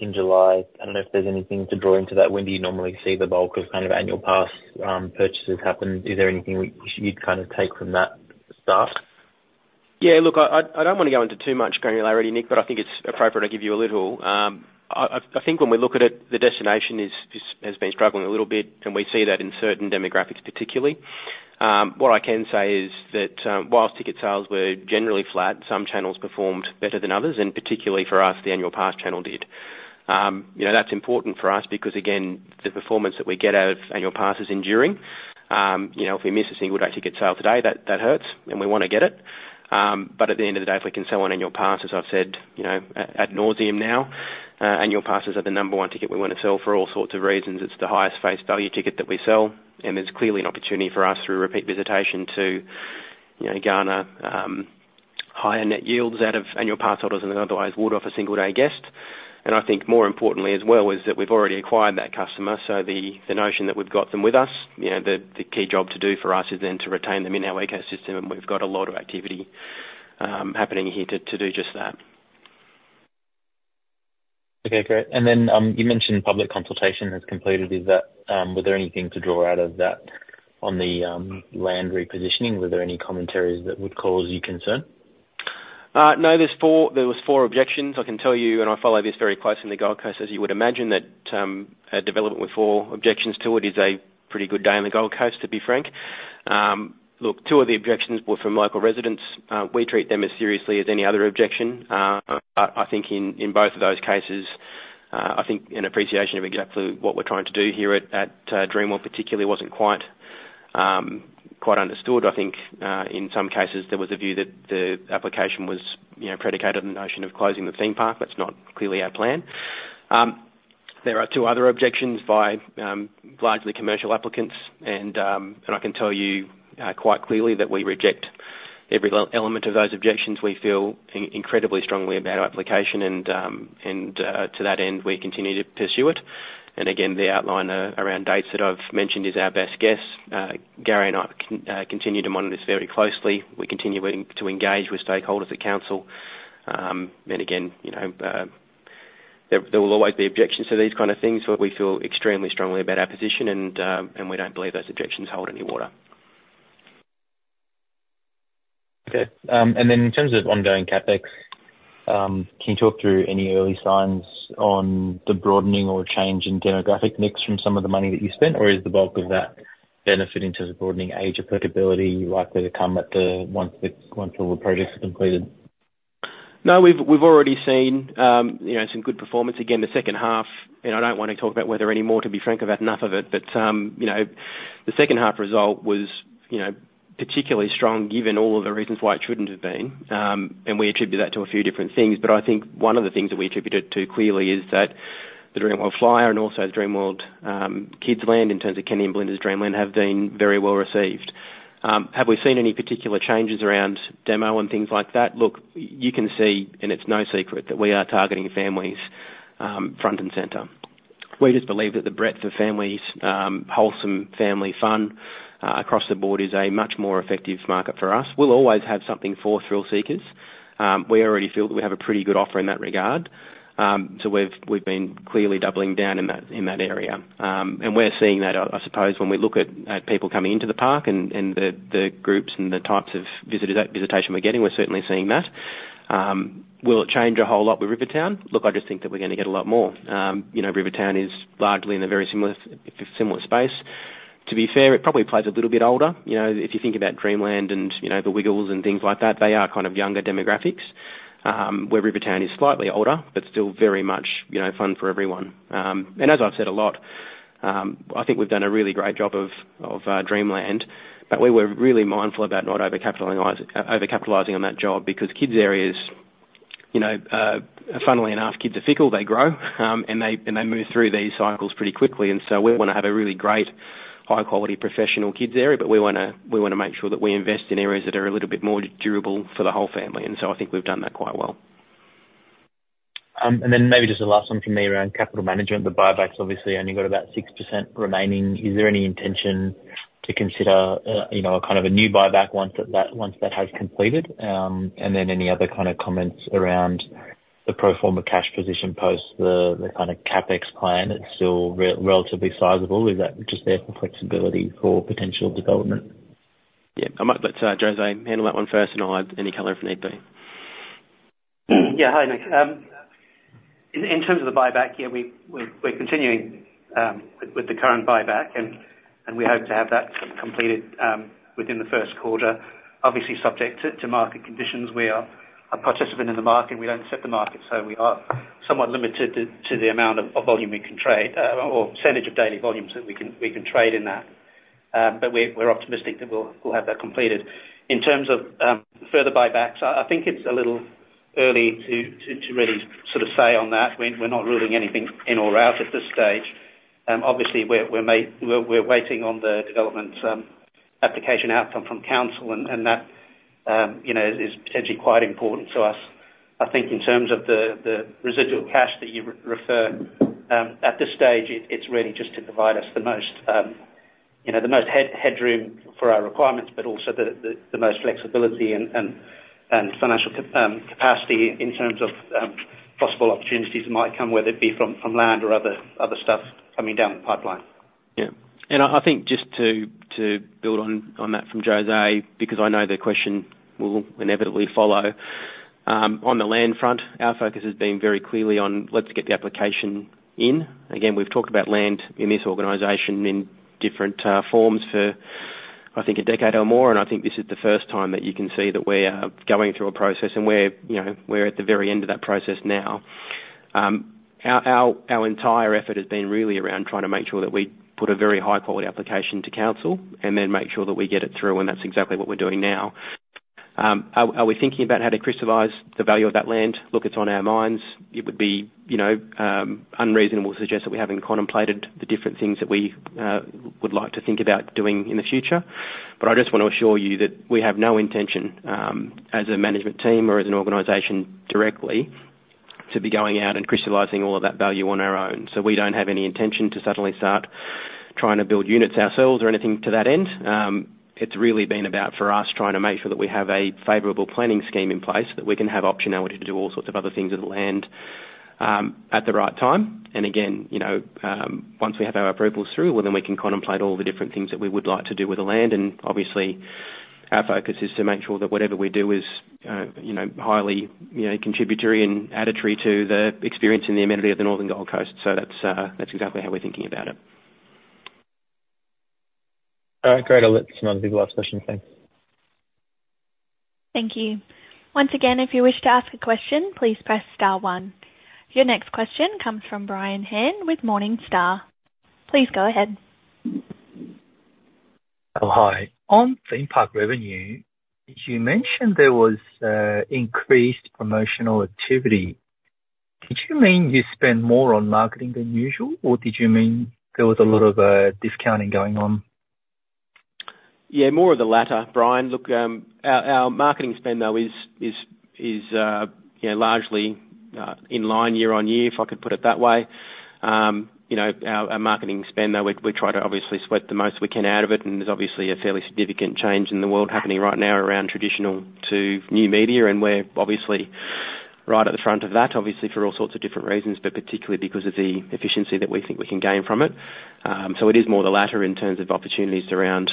in July. I don't know if there's anything to draw into that. When do you normally see the bulk of kind of annual pass purchases happen? Is there anything you'd kind of take from that start? Yeah, look, I don't want to go into too much granularity, Nick, but I think it's appropriate I give you a little. I think when we look at it, the destination is, has been struggling a little bit, and we see that in certain demographics, particularly. What I can say is that, whilst ticket sales were generally flat, some channels performed better than others, and particularly for us, the annual pass channel did. You know, that's important for us because, again, the performance that we get out of annual pass is enduring. You know, if we miss a single day ticket sale today, that hurts, and we want to get it. But at the end of the day, if we can sell an annual pass, as I've said, you know, at ad nauseam now, annual passes are the number one ticket we want to sell for all sorts of reasons. It's the highest face value ticket that we sell, and there's clearly an opportunity for us, through repeat visitation to, you know, garner higher net yields out of annual pass holders than we otherwise would off a single day guest. And I think more importantly as well, is that we've already acquired that customer, so the notion that we've got them with us, you know, the key job to do for us is then to retain them in our ecosystem, and we've got a lot of activity happening here to do just that. Okay, great. And then, you mentioned public consultation has completed. Was there anything to draw out of that on the land repositioning? Were there any commentaries that would cause you concern? No, there's four objections. I can tell you, and I follow this very closely in the Gold Coast, as you would imagine, that a development with four objections to it is a pretty good day on the Gold Coast, to be frank. Look, two of the objections were from local residents. We treat them as seriously as any other objection. I think in both of those cases, I think an appreciation of exactly what we're trying to do here at Dreamworld particularly wasn't quite understood. I think in some cases there was a view that the application was, you know, predicated on the notion of closing the theme park. That's not clearly our plan. There are two other objections by largely commercial applicants, and I can tell you quite clearly that we reject every element of those objections. We feel incredibly strongly about our application, and to that end, we continue to pursue it, and again, the outline around dates that I've mentioned is our best guess. Gary and I continue to monitor this very closely. We continue waiting to engage with stakeholders at council, and again, you know, there will always be objections to these kind of things, but we feel extremely strongly about our position, and we don't believe those objections hold any water. Okay. And then in terms of ongoing CapEx, can you talk through any early signs on the broadening or change in demographic mix from some of the money that you spent? Or is the bulk of that benefit in terms of broadening age applicability likely to come once all the projects are completed? No, we've already seen, you know, some good performance. Again, the second half, and I don't want to talk about the weather anymore, to be frank, I've had enough of it. But, you know, the second half result was, you know, particularly strong, given all of the reasons why it shouldn't have been. And we attribute that to a few different things, but I think one of the things that we attribute it to clearly is that the Dreamworld Flyer and also Dreamworld Kids Land, in terms of Kenny and Belinda's Dreamland, have been very well received. Have we seen any particular changes around demo and things like that? Look, you can see, and it's no secret, that we are targeting families, front and center. We just believe that the breadth of families, wholesome family fun, across the board is a much more effective market for us. We'll always have something for thrill seekers. We already feel that we have a pretty good offer in that regard, so we've been clearly doubling down in that area, and we're seeing that, I suppose, when we look at people coming into the park and the groups and the types of visitors, visitation we're getting, we're certainly seeing that. Will it change a whole lot with Rivertown? Look, I just think that we're gonna get a lot more. You know, Rivertown is largely in a very similar space. To be fair, it probably plays a little bit older. You know, if you think about Dreamland and, you know, The Wiggles and things like that, they are kind of younger demographics, where Rivertown is slightly older, but still very much, you know, fun for everyone. And as I've said a lot, I think we've done a really great job of Dreamland, but we were really mindful about not overcapitalizing on that job because kids' areas, you know, funnily enough, kids are fickle, they grow, and they move through these cycles pretty quickly. And so we wanna have a really great, high quality, professional kids area, but we wanna make sure that we invest in areas that are a little bit more durable for the whole family, and so I think we've done that quite well. And then maybe just the last one from me around capital management, the buybacks, obviously only got about 6% remaining. Is there any intention to consider, you know, a kind of a new buyback once that has completed? And then any other kind of comments around the pro forma cash position, post the kind of CapEx plan? It's still relatively sizable. Is that just there for flexibility for potential development? Yeah, I might let José handle that one first, and I'll add any color if need be. Yeah. Hi, Nick. In terms of the buyback, yeah, we're continuing with the current buyback, and we hope to have that completed within the first quarter. Obviously, subject to market conditions. We are a participant in the market. We don't set the market, so we are somewhat limited to the amount of volume we can trade, or percentage of daily volumes that we can trade in that. But we're optimistic that we'll have that completed. In terms of further buybacks, I think it's a little early to really sort of say on that. We're not ruling anything in or out at this stage. Obviously we're waiting on the development application outcome from council and that you know is potentially quite important to us. I think in terms of the residual cash that you refer at this stage it's really just to provide us the most you know the most headroom for our requirements but also the most flexibility and financial capacity in terms of possible opportunities that might come whether it be from land or other stuff coming down the pipeline. Yeah. And I think just to build on that from José, because I know the question will inevitably follow. On the land front, our focus has been very clearly on, let's get the application in. Again, we've talked about land in this organization in different forms for, I think, a decade or more, and I think this is the first time that you can see that we are going through a process, and we're, you know, we're at the very end of that process now. Our entire effort has been really around trying to make sure that we put a very high quality application to council and then make sure that we get it through, and that's exactly what we're doing now. Are we thinking about how to crystallize the value of that land? Look, it's on our minds. It would be, you know, unreasonable to suggest that we haven't contemplated the different things that we would like to think about doing in the future. But I just want to assure you that we have no intention, as a management team or as an organization directly, to be going out and crystallizing all of that value on our own. So we don't have any intention to suddenly start trying to build units ourselves or anything to that end. It's really been about, for us, trying to make sure that we have a favorable planning scheme in place, that we can have optionality to do all sorts of other things with the land, at the right time. Again, you know, once we have our approvals through, well, then we can contemplate all the different things that we would like to do with the land. Obviously, our focus is to make sure that whatever we do is, you know, highly, you know, contributory and additive to the experience and the amenity of the Northern Gold Coast. That's exactly how we're thinking about it. All right, great. I'll let some other people ask questions. Thanks. Thank you. Once again, if you wish to ask a question, please press star one. Your next question comes from Brian Han with Morningstar. Please go ahead. Oh, hi. On theme park revenue, you mentioned there was increased promotional activity. Did you mean you spent more on marketing than usual, or did you mean there was a lot of discounting going on? Yeah, more of the latter, Brian. Look, our marketing spend, though, is you know, largely in line year-on-year, if I could put it that way. You know, our marketing spend, though, we try to obviously sweat the most we can out of it, and there's obviously a fairly significant change in the world happening right now around traditional to new media, and we're obviously right at the front of that, obviously for all sorts of different reasons, but particularly because of the efficiency that we think we can gain from it. So it is more the latter in terms of opportunities around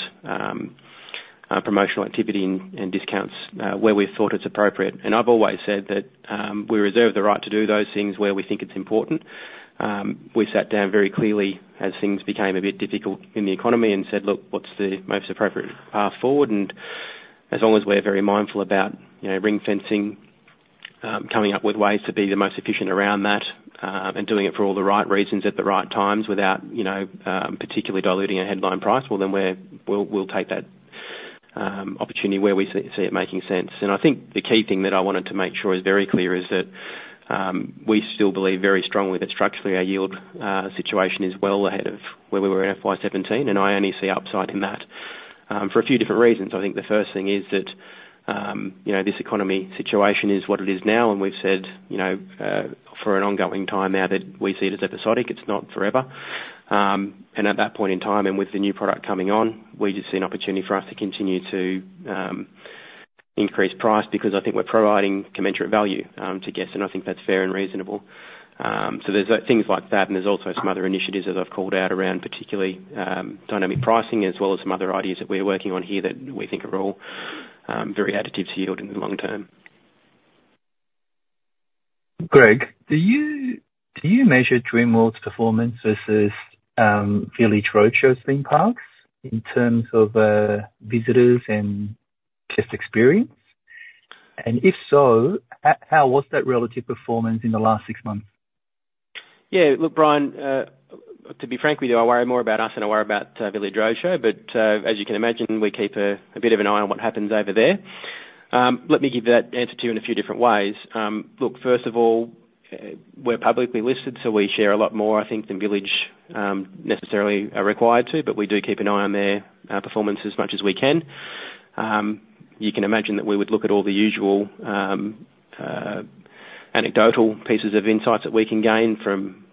promotional activity and discounts where we thought it's appropriate. And I've always said that we reserve the right to do those things where we think it's important. We sat down very clearly as things became a bit difficult in the economy and said, "Look, what's the most appropriate path forward?" And as long as we're very mindful about, you know, ring fencing, coming up with ways to be the most efficient around that, and doing it for all the right reasons at the right times without, you know, particularly diluting a headline price, well, then we're we'll take that opportunity where we see it making sense. And I think the key thing that I wanted to make sure is very clear is that, we still believe very strongly that structurally, our yield situation is well ahead of where we were in FY 2017, and I only see upside in that for a few different reasons. I think the first thing is that, you know, this economy situation is what it is now, and we've said, you know, for an ongoing time now that we see it as episodic, it's not forever. And at that point in time, and with the new product coming on, we just see an opportunity for us to continue to increase price, because I think we're providing commensurate value to guests, and I think that's fair and reasonable. So there's things like that, and there's also some other initiatives as I've called out around, particularly, dynamic pricing, as well as some other ideas that we're working on here that we think are all very additive to yield in the long term. Greg, do you measure Dreamworld's performance versus Village Roadshow Theme Parks in terms of visitors and guest experience? And if so, how was that relative performance in the last six months? Yeah, look, Brian, to be frankly, though, I worry more about us than I worry about Village Roadshow, but as you can imagine, we keep a bit of an eye on what happens over there. Let me give that answer to you in a few different ways. Look, first of all, we're publicly listed, so we share a lot more, I think, than Village necessarily are required to, but we do keep an eye on their performance as much as we can. You can imagine that we would look at all the usual anecdotal pieces of insights that we can gain from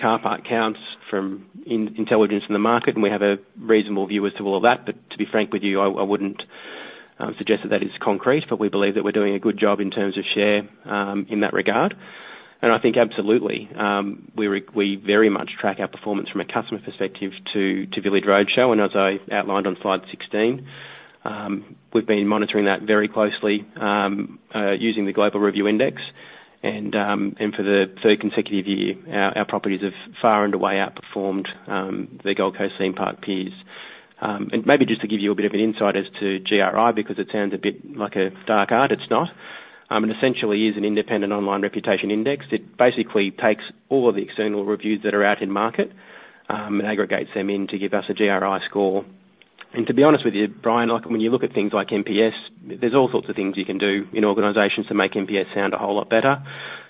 car park counts, from intelligence in the market, and we have a reasonable view as to all of that. But to be frank with you, I wouldn't suggest that that is concrete, but we believe that we're doing a good job in terms of share in that regard. And I think absolutely, we very much track our performance from a customer perspective to Village Roadshow. And as I outlined on slide 16, we've been monitoring that very closely using the Global Review Index. And for the third consecutive year, our properties have far and away outperformed the Gold Coast Theme Park peers. And maybe just to give you a bit of an insight as to GRI, because it sounds a bit like a dark art, it's not. It essentially is an independent online reputation index. It basically takes all of the external reviews that are out in market, and aggregates them into give us a GRI score. And to be honest with you, Brian, like, when you look at things like NPS, there's all sorts of things you can do in organizations to make NPS sound a whole lot better.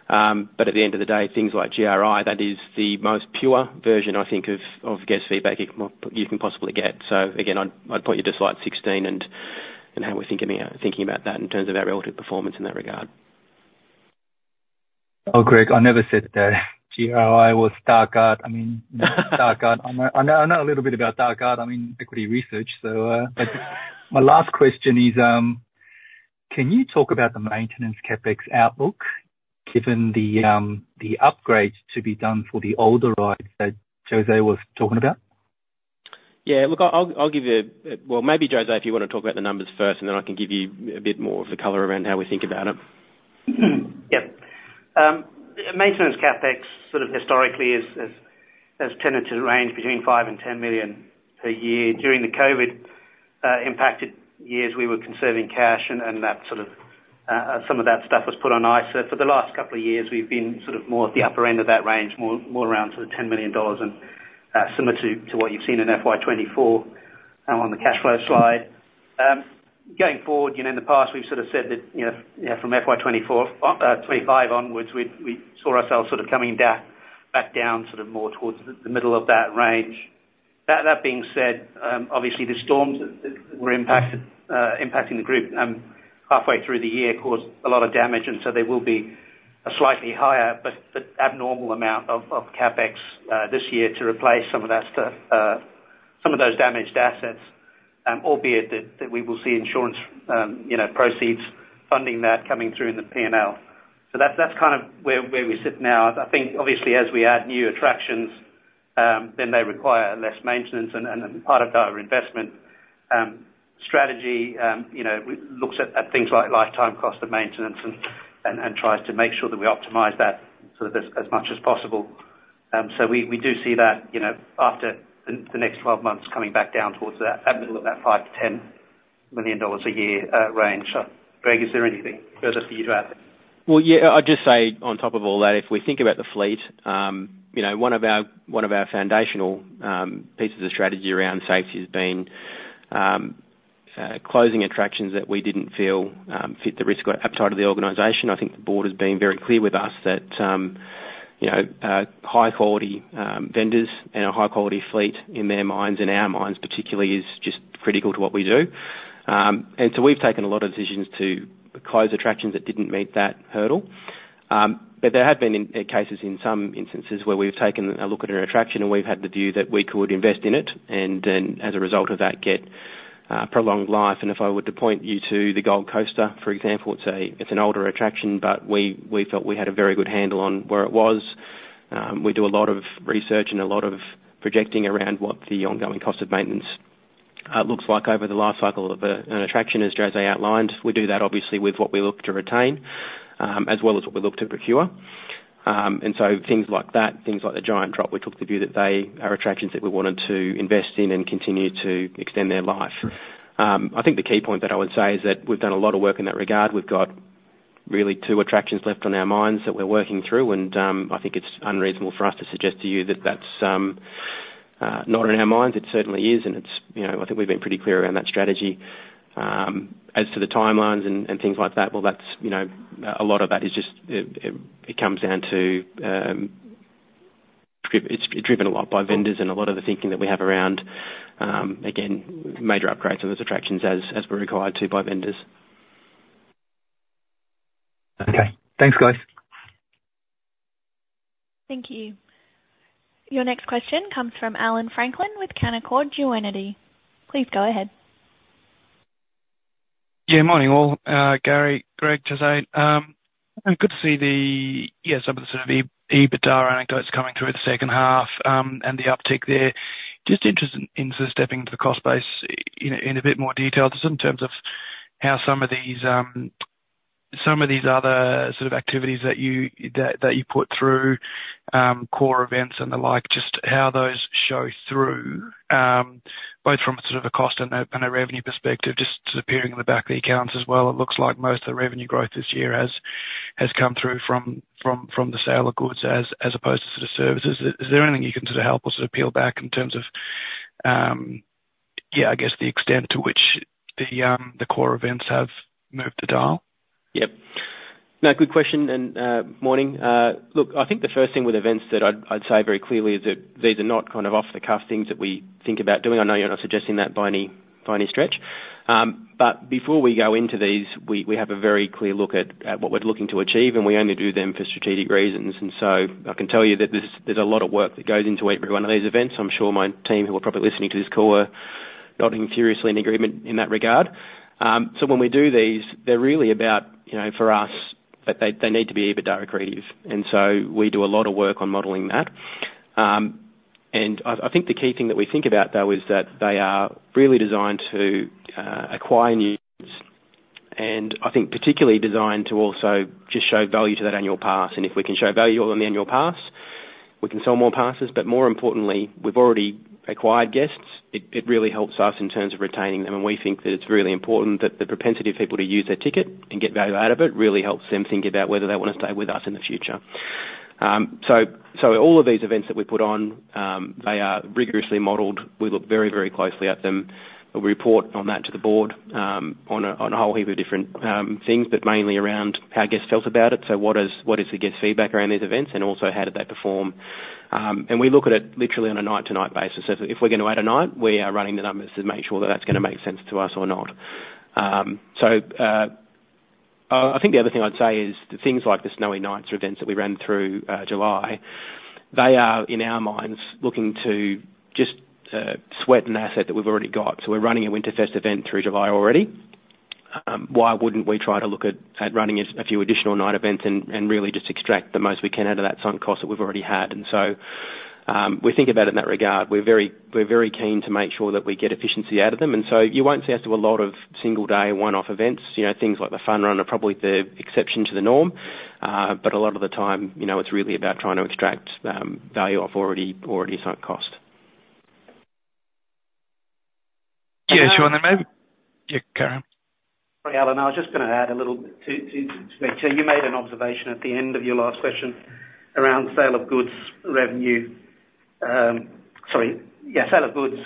But at the end of the day, things like GRI, that is the most pure version, I think, of guest feedback you can possibly get. So again, I'd point you to slide 16 and how we're thinking about that in terms of our relative performance in that regard. Oh, Greg, I never said that GRI was dark art. I mean dark art. I know, I know a little bit about dark art, I'm in equity research. So, my last question is, can you talk about the maintenance CapEx outlook, given the, the upgrades to be done for the older rides that José was talking about? Yeah, look, I'll give you a well, maybe, José, if you want to talk about the numbers first, and then I can give you a bit more of the color around how we think about it. Yep. Maintenance CapEx, sort of historically, has tended to range between 5 million and 10 million per year. During the COVID impacted years, we were conserving cash and that sort of some of that stuff was put on ice. So for the last couple of years, we've been sort of more at the upper end of that range, more around to the 10 million dollars and similar to what you've seen in FY 2024, on the cash flow slide. Going forward, you know, in the past, we've sort of said that, you know, from FY 2024, 2025 onwards, we saw ourselves sort of coming down, back down, sort of more towards the middle of that range. That being said, obviously, the storms were impacting the group halfway through the year, caused a lot of damage, and so there will be a slightly higher, but abnormal amount of CapEx this year to replace some of that stuff, some of those damaged assets, albeit that we will see insurance, you know, proceeds funding that coming through in the P&L. So that's kind of where we sit now. I think, obviously, as we add new attractions, then they require less maintenance, and part of our investment strategy, you know, looks at things like lifetime cost of maintenance and tries to make sure that we optimize that sort of as much as possible. So we do see that, you know, after the next twelve months coming back down towards that middle of that 5 million-10 million dollars a year range. Greg, is there anything further for you to add? Yeah, I'd just say on top of all that, if we think about the fleet, you know, one of our foundational pieces of strategy around safety has been closing attractions that we didn't feel fit the risk or upside of the organization. I think the board has been very clear with us that, you know, high quality vendors and a high-quality fleet in their minds and our minds, particularly, is just critical to what we do. And so we've taken a lot of decisions to close attractions that didn't meet that hurdle. But there have been cases in some instances where we've taken a look at an attraction, and we've had the view that we could invest in it, and then as a result of that, get prolonged life. And if I were to point you to the Gold Coaster, for example, it's an older attraction, but we felt we had a very good handle on where it was. We do a lot of research and a lot of projecting around what the ongoing cost of maintenance looks like over the life cycle of an attraction, as José outlined. We do that obviously with what we look to retain, as well as what we look to procure. And so things like that, things like the Giant Drop, we took the view that they are attractions that we wanted to invest in and continue to extend their life. I think the key point that I would say is that we've done a lot of work in that regard. We've got really two attractions left on our minds that we're working through, and I think it's unreasonable for us to suggest to you that that's not on our minds. It certainly is, and it's, you know, I think we've been pretty clear around that strategy. As to the timelines and things like that, well, that's, you know, a lot of that is just. It comes down to it's driven a lot by vendors, and a lot of the thinking that we have around, again, major upgrades of those attractions as we're required to by vendors. Okay. Thanks, guys. Thank you. Your next question comes from Allan Franklin with Canaccord Genuity. Please go ahead. Yeah, morning, all, Gary, Greg, José. And good to see the, yeah, some of the sort of EBITDA anecdotes coming through the second half, and the uptick there. Just interested in sort of stepping into the cost base in a bit more detail, just in terms of how some of these, some of these other sort of activities that you put through, core events and the like, just how those show through, both from sort of a cost and a revenue perspective, just sort of appearing in the back of the accounts as well. It looks like most of the revenue growth this year has come through from the sale of goods as opposed to sort of services. Is there anything you can sort of help or sort of peel back in terms of, yeah, I guess, the extent to which the core events have moved the dial? Yep. No, good question, and, morning. Look, I think the first thing with events that I'd say very clearly is that these are not kind of off-the-cuff things that we think about doing. I know you're not suggesting that by any stretch. But before we go into these, we have a very clear look at what we're looking to achieve, and we only do them for strategic reasons, and so I can tell you that there's a lot of work that goes into every one of these events. I'm sure my team, who are probably listening to this call, are nodding furiously in agreement in that regard, so when we do these, they're really about, you know, for us, that they need to be EBITDA accretive, and so we do a lot of work on modeling that. And I think the key thing that we think about, though, is that they are really designed to acquire new, and I think particularly designed to also just show value to that annual pass. And if we can show value on the annual pass, we can sell more passes, but more importantly, we've already acquired guests. It really helps us in terms of retaining them, and we think that it's really important that the propensity of people to use their ticket and get value out of it, really helps them think about whether they want to stay with us in the future. So all of these events that we put on, they are rigorously modeled. We look very, very closely at them. We report on that to the board on a whole heap of different things, but mainly around how guests felt about it, so what is the guest feedback around these events, and also, how did they perform, and we look at it literally on a night-to-night basis, so if we're going to add a night, we are running the numbers to make sure that that's gonna make sense to us or not. I think the other thing I'd say is things like the Snowy Nights events that we ran through July, they are, in our minds, looking to just sweat an asset that we've already got, so we're running a Winterfest event through July already. Why wouldn't we try to look at running a few additional night events and really just extract the most we can out of that sunk cost that we've already had? So, we think about it in that regard. We're very keen to make sure that we get efficiency out of them, and so you won't see us do a lot of single day, one-off events. You know, things like the Fun Run are probably the exception to the norm. But a lot of the time, you know, it's really about trying to extract value off already sunk cost. Yeah, do you wanna maybe-- Yeah. Alan, I was just gonna add a little bit to that. You made an observation at the end of your last question around sale of goods revenue. Sale of goods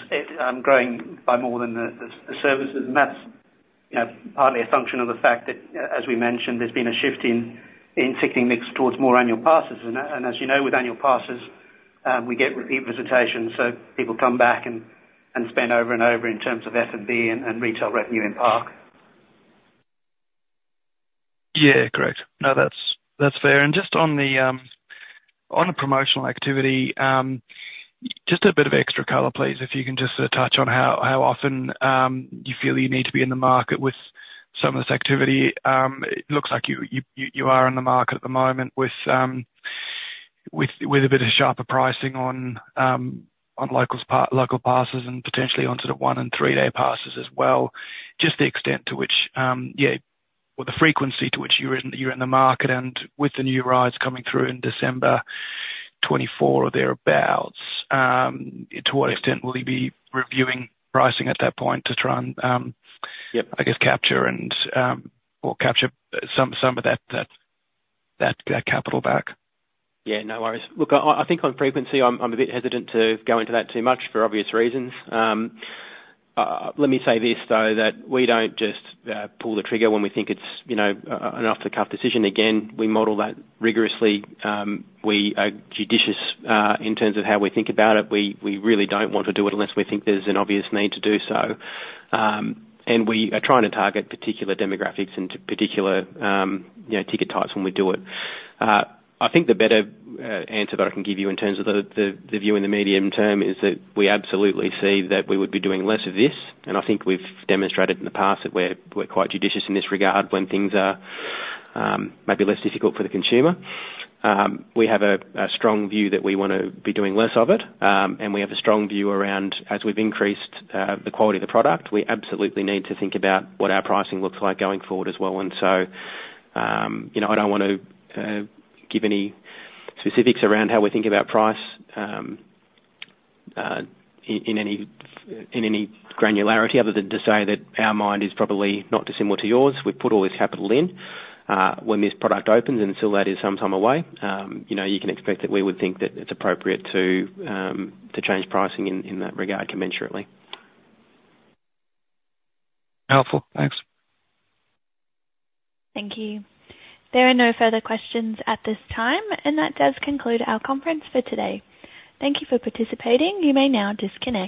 growing by more than the services. And that's, you know, partly a function of the fact that, as we mentioned, there's been a shift in ticketing mix towards more annual passes. And as you know, with annual passes, we get repeat visitations, so people come back and spend over and over in terms of F&B and retail revenue in park. Yeah, correct. No, that's fair. And just on the promotional activity, just a bit of extra color, please, if you can just sort of touch on how often you feel you need to be in the market with some of this activity. It looks like you are in the market at the moment with a bit of sharper pricing on local passes and potentially on sort of one- and three-day passes as well. Just the extent to which, yeah, or the frequency to which you're in the market, and with the new rides coming through in December 2024 or thereabouts, to what extent will you be reviewing pricing at that point to try and, Yep. I guess, capture and, or capture some of that capital back? Yeah, no worries. Look, I think on frequency, I'm a bit hesitant to go into that too much, for obvious reasons. Let me say this, though, that we don't just pull the trigger when we think it's, you know, an off-the-cuff decision. Again, we model that rigorously. We are judicious in terms of how we think about it. We really don't want to do it unless we think there's an obvious need to do so. And we are trying to target particular demographics into particular, you know, ticket types when we do it. I think the better answer that I can give you in terms of the view in the medium term is that we absolutely see that we would be doing less of this, and I think we've demonstrated in the past that we're quite judicious in this regard when things are maybe less difficult for the consumer. We have a strong view that we want to be doing less of it, and we have a strong view around, as we've increased the quality of the product, we absolutely need to think about what our pricing looks like going forward as well. You know, I don't want to give any specifics around how we think about price in any granularity, other than to say that our mind is probably not dissimilar to yours. We've put all this capital in, when this product opens, and until that is some time away, you know, you can expect that we would think that it's appropriate to change pricing in that regard, commensurately. Helpful. Thanks. Thank you. There are no further questions at this time, and that does conclude our conference for today. Thank you for participating. You may now disconnect.